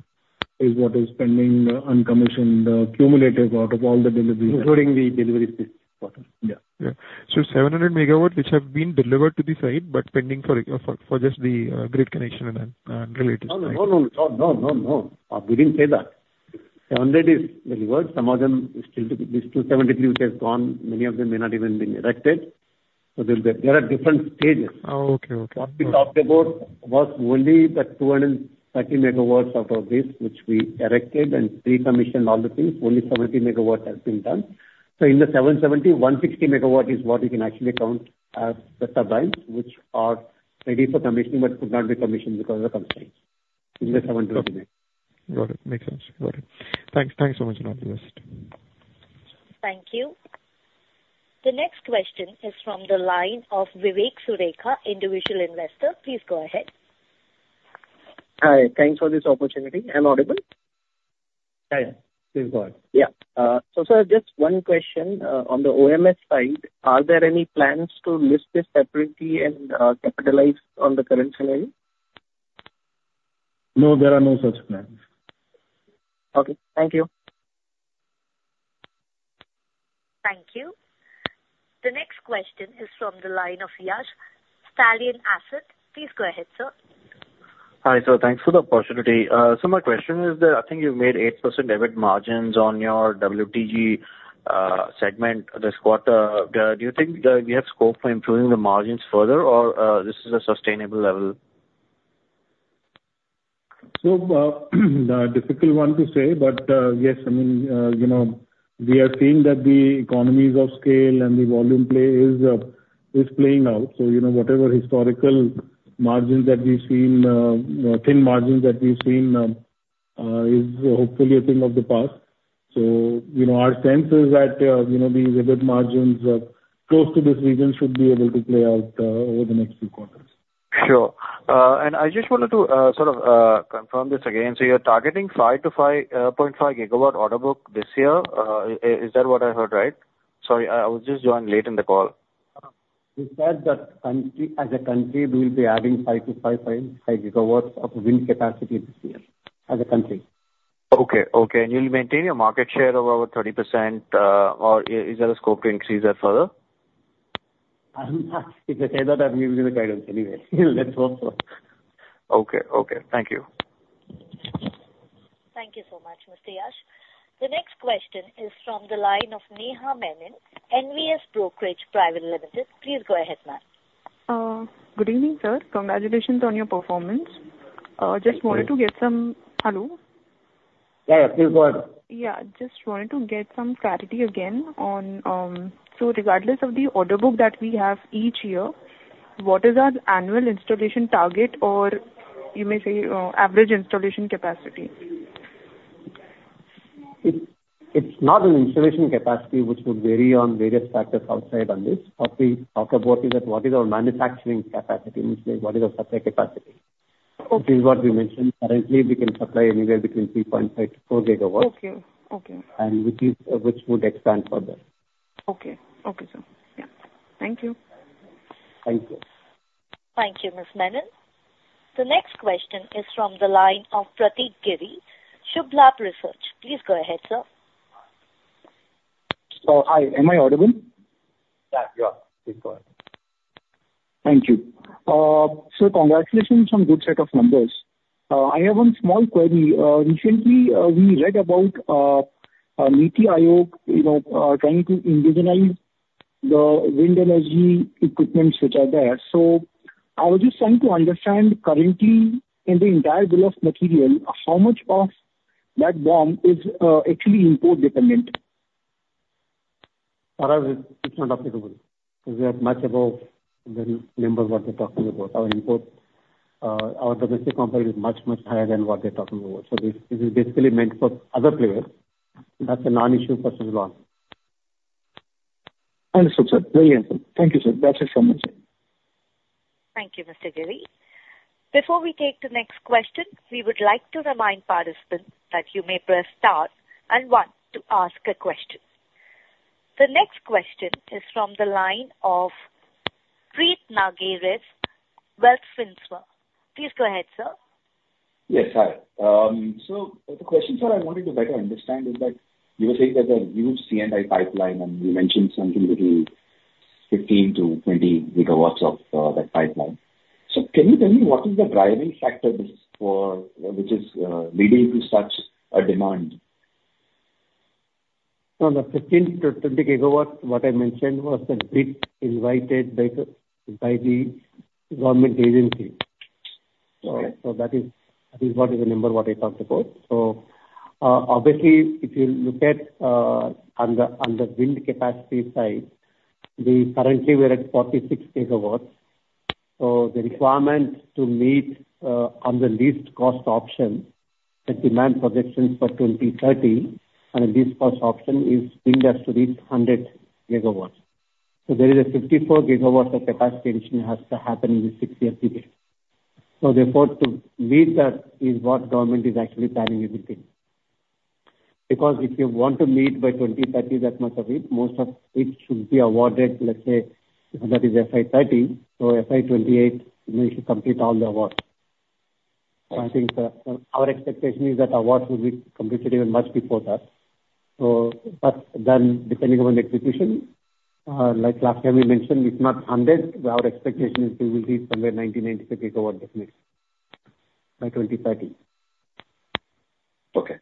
is what is pending, uncommissioned, cumulative out of all the deliveries. Including the deliveries this quarter. Yeah. Yeah. So 700 MW, which have been delivered to the site, but pending for just the grid connection and then related- No, no, no, no, no, no, no. We didn't say that.... 700 is delivered. Some of them is still, these 270 which have gone, many of them may not even been erected. So there, there are different stages. Oh, okay. Okay. What we talked about was only the 230 MW out of this, which we erected and pre-commissioned all the things. Only 70 MW has been done. So in the 770, 160 MW is what you can actually count as the turbines, which are ready for commissioning, but could not be commissioned because of the constraints. In the 770. Got it. Makes sense. Got it. Thanks. Thanks so much for your time. Thank you. The next question is from the line of Vivek Sureka, individual investor. Please go ahead. Hi. Thanks for this opportunity. I'm audible? Hi, yeah. Please go ahead. Yeah. So sir, just one question. On the OMS side, are there any plans to list this separately and capitalize on the current scenario? No, there are no such plans. Okay. Thank you. Thank you. The next question is from the line of Yash, Stallion Asset. Please go ahead, sir. Hi, sir. Thanks for the opportunity. So my question is that I think you've made 8% EBIT margins on your WTG, segment this quarter. Do you think that you have scope for improving the margins further or, this is a sustainable level? So, difficult one to say, but yes, I mean, you know, we are seeing that the economies of scale and the volume play is, is playing out. So, you know, whatever historical margins that we've seen, you know, thin margins that we've seen, is hopefully a thing of the past. So, you know, our sense is that, you know, the EBIT margins, close to this region should be able to play out, over the next few quarters. Sure. I just wanted to sort of confirm this again. You're targeting 5-5.5 GW order book this year. Is that what I heard, right? Sorry, I just joined late in the call. We said that country, as a country, we will be adding 5-5.5 GW of wind capacity this year, as a country. Okay. Okay. You'll maintain your market share of over 30%, or is there a scope to increase that further? If I say that, I'll be giving the guidance anyway. Let's hope so. Okay. Okay. Thank you. Thank you so much, Mr. Yash. The next question is from the line of Neha Menon, NVS Brokerage Private Limited. Please go ahead, ma'am. Good evening, sir. Congratulations on your performance. Thank you. Just wanted to get some... Hello? Yeah. Please go ahead. Yeah, just wanted to get some clarity again on. So regardless of the order book that we have each year, what is our annual installation target or you may say, average installation capacity? It's not an installation capacity, which will vary on various factors outside of this. What we talk about is that, what is our manufacturing capacity, which is what is our supply capacity? Okay. This is what we mentioned. Currently, we can supply anywhere between 3.5-4 GW. Okay. Okay. And which is, which would expand further. Okay. Okay, sir. Yeah. Thank you. Thank you. Thank you, Ms. Menon. The next question is from the line of Pratik Giri, Shubhlakshmi Research. Please go ahead, sir. Hi. Am I audible? Yeah. Yeah. Please go ahead. Thank you. So congratulations on good set of numbers. I have one small query. Recently, we read about, NITI Aayog, you know, trying to indigenize the wind energy equipments which are there. So I was just trying to understand, currently, in the entire bill of material, how much of that BOM is, actually import dependent? For us, it's not applicable, because we are much above the numbers what they're talking about. Our import, our domestic component is much, much higher than what they're talking about. So this, this is basically meant for other players. That's a non-issue for Suzlon. Understood, sir. Very helpful. Thank you, sir. That's it from my side. Thank you, Mr. Giri. Before we take the next question, we would like to remind participants that you may press star and one to ask a question. The next question is from the line of Preet Nagarsheth, WealthSmart. Please go ahead, sir. Yes. Hi, so the question, sir, I wanted to better understand is that you were saying that there are huge C&I pipeline, and you mentioned something between 15-20 GW of that pipeline. So can you tell me what is the driving factor this for, which is leading to such a demand? So the 15-20 GW, what I mentioned was the bid invited by the, by the government agency. Okay. So that is what is the number what I talked about. So, obviously, if you look at, on the, on the wind capacity side, we currently we're at 46 GW. So the requirement to meet, on the least cost option and demand projections for 2030, and the least cost option is wind has to reach 100 GW. So there is a 54 GW of capacity addition has to happen in the 6 years period. So therefore, to meet that is what government is actually planning everything. Because if you want to meet by 2030, that much of it, most of it should be awarded, let's say, that is FY 2030. So FY 2028, we need to complete all the awards. I think, our expectation is that awards will be completed even much before that. But then depending upon the execution, like last time we mentioned, it's not 100. Our expectation is we will see somewhere 90-95 GW definite by 2030. Okay.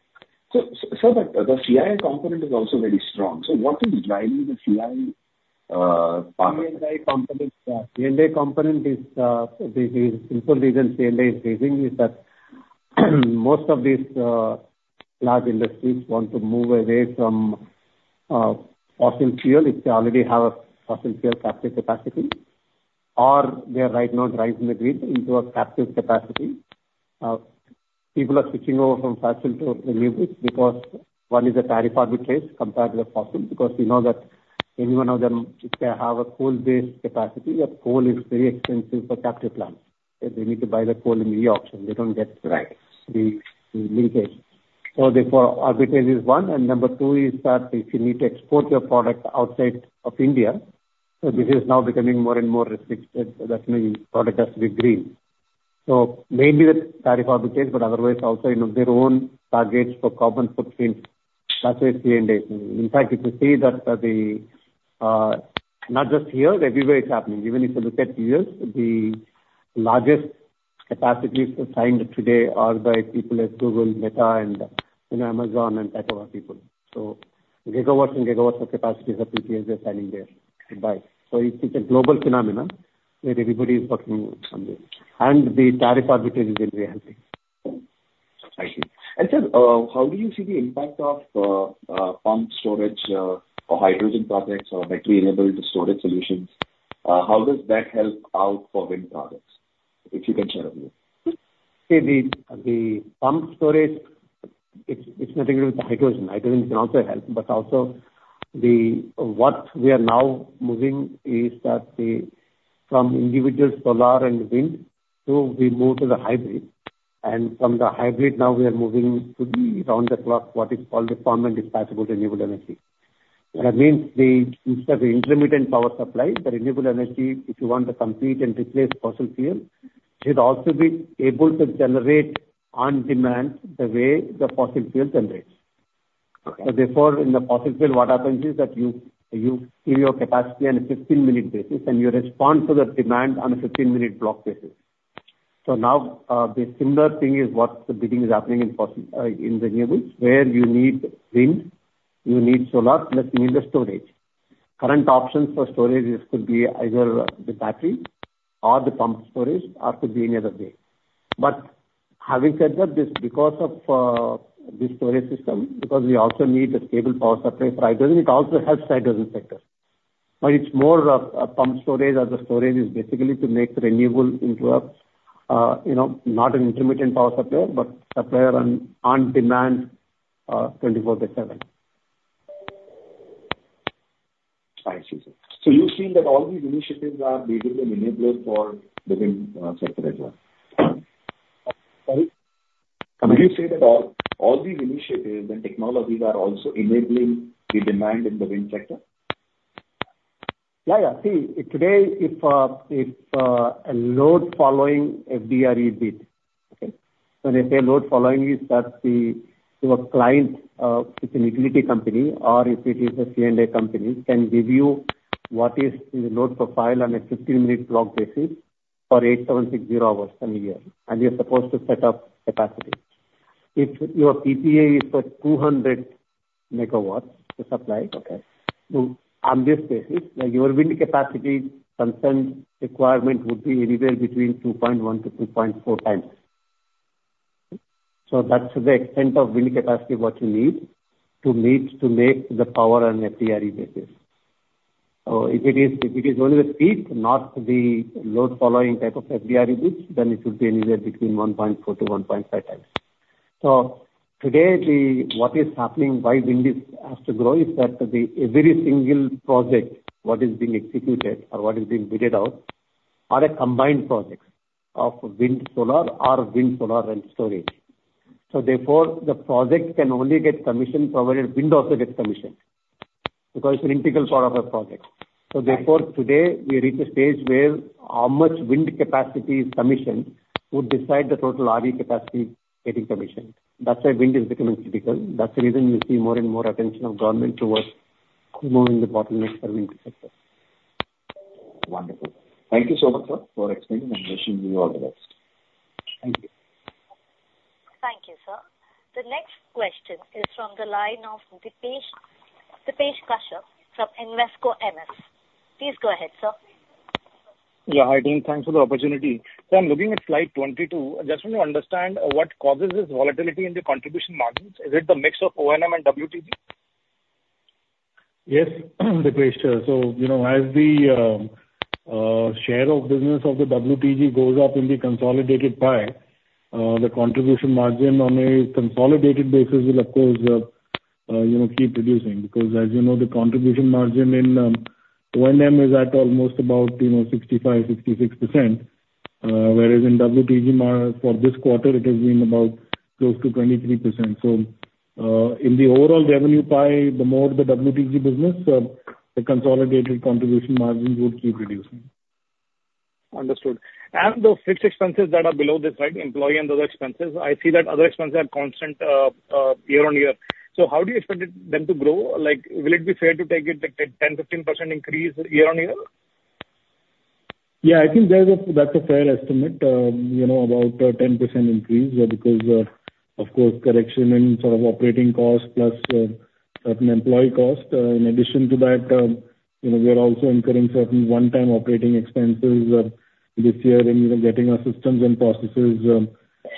So, sir, but the CI component is also very strong. So what is driving the CI? C&I component, the C&I component is, the simple reason C&I is raising is that most of these large industries want to move away from fossil fuel, if they already have a fossil fuel captive capacity, or they are right now driving the grid into a captive capacity. People are switching over from fossil to renewables because one is a tariff arbitrage compared to the fossil, because we know that any one of them, if they have a coal-based capacity, that coal is very expensive for captive plant. They need to buy the coal in the auction. They don't get- Right. The linkage. So therefore, arbitrage is one, and number two is that if you need to export your product outside of India, so this is now becoming more and more restricted, so that means product has to be green. So mainly the tariff arbitrage, but otherwise also, you know, their own targets for carbon footprint. That's where. In fact, if you see that, not just here, everywhere it's happening. Even if you look at U.S., the largest capacities to sign today are by people at Google, Meta, and, you know, Amazon, and type of people. So gigawatts and gigawatts of capacities are PPAs are signing there to buy. So it's a global phenomenon, that everybody is working on this. And the tariff arbitrage is really helping. I see. And sir, how do you see the impact of pump storage, or hydrogen projects or battery-enabled storage solutions? How does that help out for wind products, if you can share with me? See, the pump storage, it's nothing to do with the hydrogen. Hydrogen can also help, but also, what we are now moving is that from individual solar and wind, so we move to the hybrid. And from the hybrid, now we are moving to the round the clock, what is called the firm and dispatchable renewable energy. That means, instead of the intermittent power supply, the renewable energy, if you want to compete and replace fossil fuel, should also be able to generate on demand the way the fossil fuel generates. Okay. So therefore, in the fossil fuel, what happens is that you, you see your capacity on a 15-minute basis, and you respond to the demand on a 15-minute block basis. So now, the similar thing is what the beginning is happening in fossil, in renewables, where you need wind, you need solar, plus you need the storage. Current options for storage is could be either the battery or the pump storage, or could be another way. But having said that, this because of, the storage system, because we also need a stable power supply for hydrogen, it also helps the hydrogen sector. But it's more of a pump storage, as the storage is basically to make renewable into a, you know, not an intermittent power supplier, but supplier on, on demand, 24/7. I see, sir. So you've seen that all these initiatives are basically enablers for the wind sector as well? Sorry? Would you say that all, all these initiatives and technologies are also enabling the demand in the wind sector? Yeah, yeah. See, if today, if a load following FDRE bid, okay? So when I say load following is that the, your client, it's a utility company or if it is a C&I company, can give you what is the load profile on a 15-minute block basis for 8,760 hours in a year, and you're supposed to set up capacity. If your PPA is for 200 MW to supply- Okay. So on this basis, your wind capacity potential requirement would be anywhere between 2.1-2.4 times. So that's the extent of wind capacity, what you need, to meet, to make the power on FDRE basis. So if it is, if it is only the peak, not the load following type of FDRE bids, then it would be anywhere between 1.4-1.5 times. So today, the, what is happening, why wind is, has to grow, is that the every single project, what is being executed or what is being bid out, are a combined project of wind, solar, or wind, solar, and storage. So therefore, the project can only get commissioned provided wind also gets commissioned, because it's an integral part of the project. Right. Therefore, today we reach a stage where how much wind capacity is commissioned would decide the total RV capacity getting commissioned. That's why wind is becoming critical. That's the reason you see more and more attention of government towards removing the bottlenecks for wind sector. Wonderful. Thank you so much, sir, for explaining, and wishing you all the best. Thank you. Thank you, sir. The next question is from the line of Dipesh, Dipesh Kashyap from Invesco. Please go ahead, sir. Yeah, hi, team. Thanks for the opportunity. So I'm looking at slide 22. I just want to understand what causes this volatility in the contribution margins. Is it the mix of O&M and WTG? Yes, Dipesh, so, you know, as the share of business of the WTG goes up in the consolidated pie, the contribution margin on a consolidated basis will of course, you know, keep reducing. Because as you know, the contribution margin in O&M is at almost about, you know, 65-66%, whereas in WTG for this quarter, it has been about close to 23%. So, in the overall revenue pie, the more the WTG business, the consolidated contribution margin would keep reducing. ...Understood. And the fixed expenses that are below this, right, employee and other expenses, I see that other expenses are constant year-on-year. So how do you expect it, them to grow? Like, will it be fair to take it like 10, 15% increase year-on-year? Yeah, I think that is, that's a fair estimate. You know, about 10% increase, because, of course, correction in sort of operating costs plus, certain employee costs. In addition to that, you know, we are also incurring certain one-time operating expenses, this year and, you know, getting our systems and processes,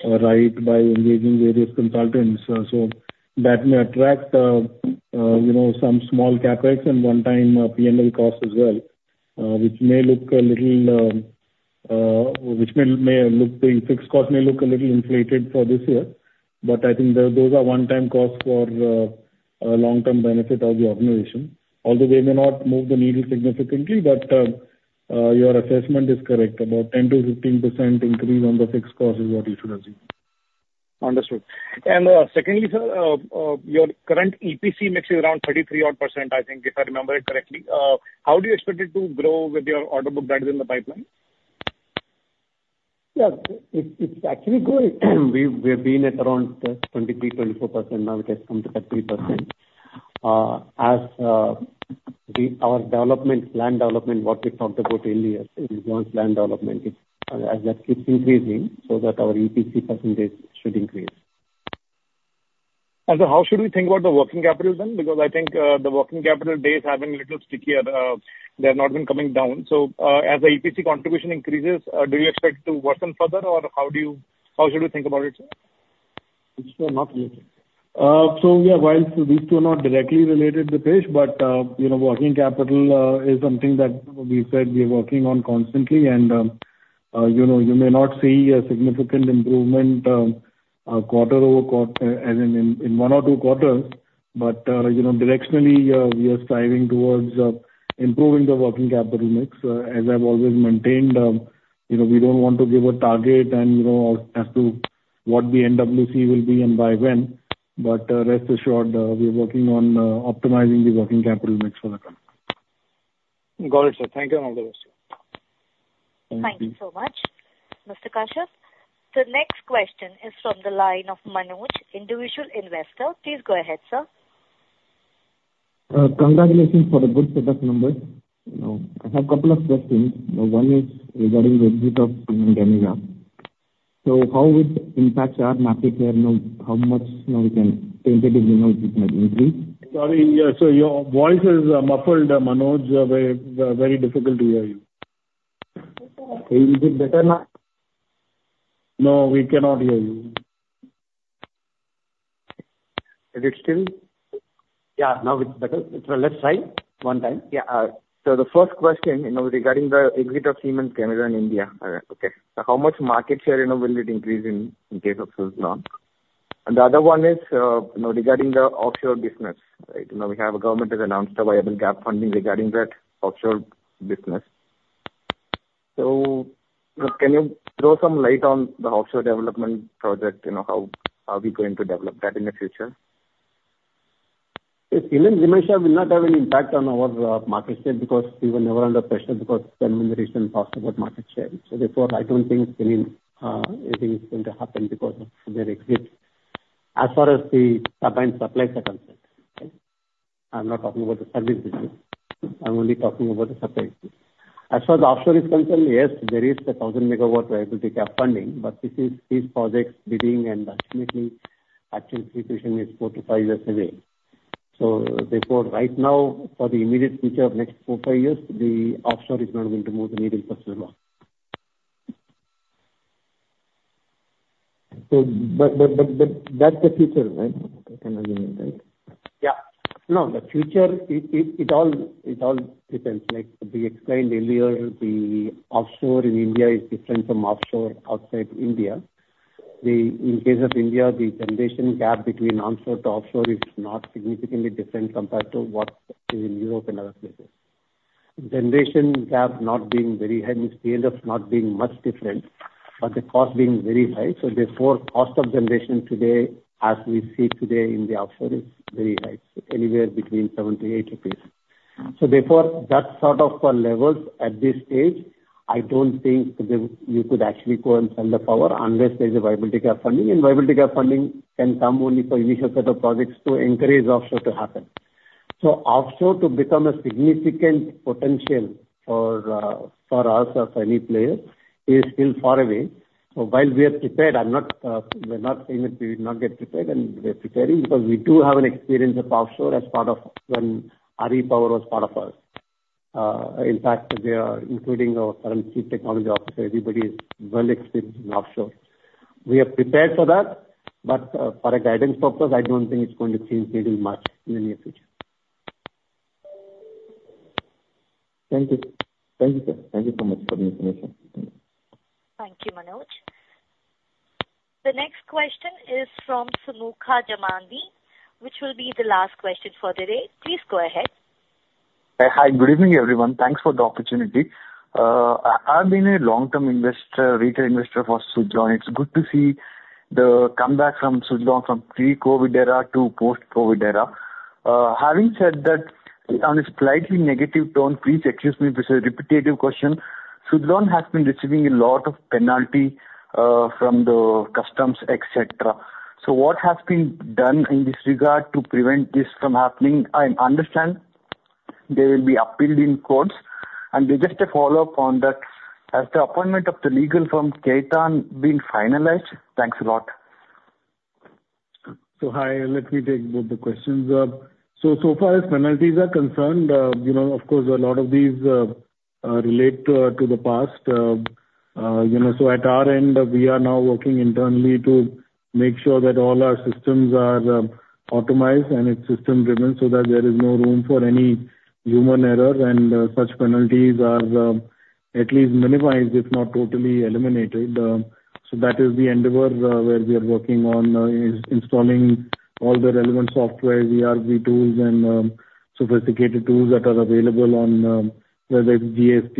right by engaging various consultants. So that may attract, you know, some small CapEx and one-time, PNL costs as well, which may look a little inflated for this year. But I think those are one-time costs for, a long-term benefit of the organization, although they may not move the needle significantly. But, your assessment is correct. About 10%-15% increase on the fixed cost is what you should assume. Understood. And, secondly, sir, your current EPC mix is around 33 odd%, I think, if I remember it correctly. How do you expect it to grow with your order book that is in the pipeline? Yeah. It's actually growing. We've been at around 23%-24%. Now, it has come to 30%. As our development, land development, what we talked about earlier, in land development, it, as that keeps increasing so that our EPC percentage should increase. How should we think about the working capital then? Because I think, the working capital days have been a little stickier. They have not been coming down. As the EPC contribution increases, do you expect it to worsen further, or how do you... How should we think about it, sir? So yeah, while these two are not directly related, Dipesh, but you know, working capital is something that we said we are working on constantly. And you know, you may not see a significant improvement quarter over quarter, as in one or two quarters, but you know, directionally we are striving towards improving the working capital mix. As I've always maintained, you know, we don't want to give a target and, you know, as to what the NWC will be and by when, but rest assured, we're working on optimizing the working capital mix for the company. Got it, sir. Thank you, and all the best. Thank you. Thank you so much, Mr. Kashyap. The next question is from the line of Manoj, individual investor. Please go ahead, sir. Congratulations for the good set of numbers. You know, I have a couple of questions. One is regarding the exit of Siemens Gamesa. So how it impacts our market share, you know, how much, you know, we can tentatively know it might increase? Sorry, yeah, so your voice is muffled, Manoj. Very, very difficult to hear you. Is it better now? No, we cannot hear you. Is it still? Yeah, now it's better. So let's try one time. Yeah, so the first question, you know, regarding the exit of Siemens Gamesa in India. Okay. So how much market share, you know, will it increase in case of Suzlon? And the other one is, you know, regarding the offshore business, right? You know, we have a government has announced a viability gap funding regarding that offshore business. So can you throw some light on the offshore development project? You know, how we're going to develop that in the future? Yes, Siemens Gamesa will not have any impact on our market share because we were never under pressure, because Gamesa never talks about market share. So therefore, I don't think any anything is going to happen because of their exit. As far as the turbine supplies are concerned, okay? I'm not talking about the service business. I'm only talking about the supply piece. As far as the offshore is concerned, yes, there is a 1,000 MW viability gap funding, but this is, these projects bidding, and ultimately, actual situation is 4-5 years away. So therefore, right now, for the immediate future of next 4-5 years, the offshore is not going to move the needle for Suzlon. So, but that's the future, right? I can assume, right? Yeah. No, the future, it all depends. Like we explained earlier, the offshore in India is different from offshore outside India. In case of India, the generation gap between onshore to offshore is not significantly different compared to what is in Europe and other places. Generation gap not being very high, means scale of not being much different, but the cost being very high. So therefore, cost of generation today, as we see today in the offshore, is very high, so anywhere between 7-8 rupees. So therefore, that sort of levels at this stage, I don't think you could actually go and sell the power unless there's a viability gap funding. And viability gap funding can come only for initial set of projects to encourage offshore to happen. So offshore to become a significant potential for, for us as any player is still far away. So while we are prepared, I'm not, we're not saying that we will not get prepared, and we're preparing because we do have an experience of offshore as part of when REpower was part of us. In fact, they are including our current Chief Technology Officer, everybody is well experienced in offshore. We are prepared for that, but, for a guidance purpose, I don't think it's going to change anything much in the near future. Thank you. Thank you, sir. Thank you so much for the information. Thank you, Manoj. The next question is from Sumukha Jamandi, which will be the last question for the day. Please go ahead. Hi, good evening, everyone. Thanks for the opportunity. I've been a long-term investor, retail investor for Suzlon. It's good to see the comeback from Suzlon from pre-COVID era to post-COVID era.... Having said that, on a slightly negative tone, please excuse me if it's a repetitive question. Suzlon has been receiving a lot of penalties from the customs, etc. So what has been done in this regard to prevent this from happening? I understand they will be appealed in courts. And just a follow-up on that, has the appointment of the legal firm, Khaitan & Co., been finalized? Thanks a lot. So hi, let me take both the questions. So far as penalties are concerned, you know, of course, a lot of these relate to the past. You know, so at our end, we are now working internally to make sure that all our systems are optimized, and it's system driven so that there is no room for any human error, and such penalties are at least minimized, if not totally eliminated. So that is the endeavor where we are working on is installing all the relevant software, GRC tools, and sophisticated tools that are available on whether it's DSP,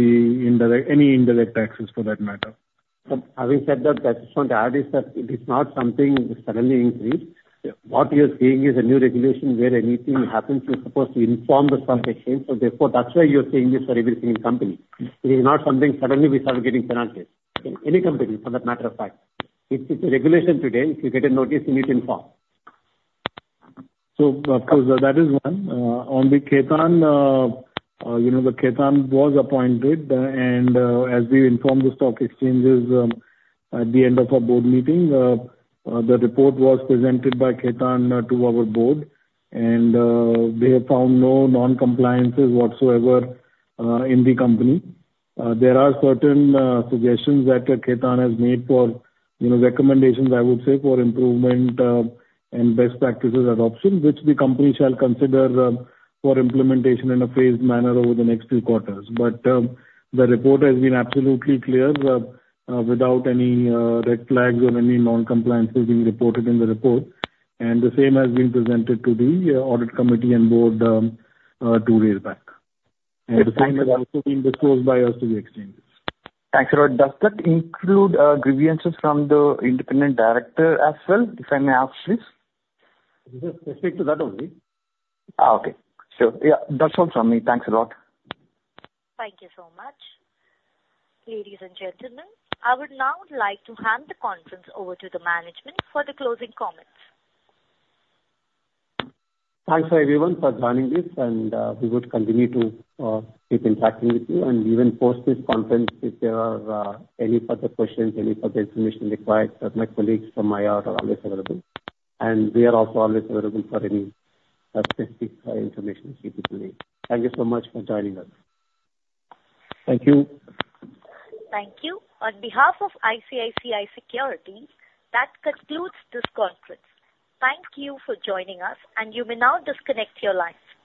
indirect, any indirect taxes for that matter. Having said that, I just want to add is that it is not something that suddenly increased. Yeah. What you're seeing is a new regulation where anything happens, you're supposed to inform the stock exchange, so therefore, that's why you're seeing this for every single company. It is not something suddenly we start getting penalties, in any company, for that matter of fact. It's a regulation today. If you get a notice, you need to inform. So, of course, that is one. On the Khaitan, you know, the Khaitan was appointed, and, as we informed the stock exchanges, at the end of our board meeting, the report was presented by Khaitan to our board. And, they have found no non-compliances whatsoever, in the company. There are certain suggestions that Khaitan has made for, you know, recommendations, I would say, for improvement, and best practices adoption, which the company shall consider, for implementation in a phased manner over the next few quarters. But, the report has been absolutely clear, without any red flags or any non-compliances being reported in the report, and the same has been presented to the audit committee on board, two days back. The same has also been disclosed by us to the exchanges. Thanks a lot. Does that include, grievances from the independent director as well, if I may ask, please? Just specific to that only. Ah, okay. Sure. Yeah, that's all from me. Thanks a lot. Thank you so much. Ladies and gentlemen, I would now like to hand the conference over to the management for the closing comments. Thanks, everyone, for joining this, and we would continue to keep in touch with you. And even post this conference, if there are any further questions, any further information required, my colleagues from IR are always available. And we are also always available for any specific information you could need. Thank you so much for joining us. Thank you. Thank you. On behalf of ICICI Securities, that concludes this conference. Thank you for joining us, and you may now disconnect your line.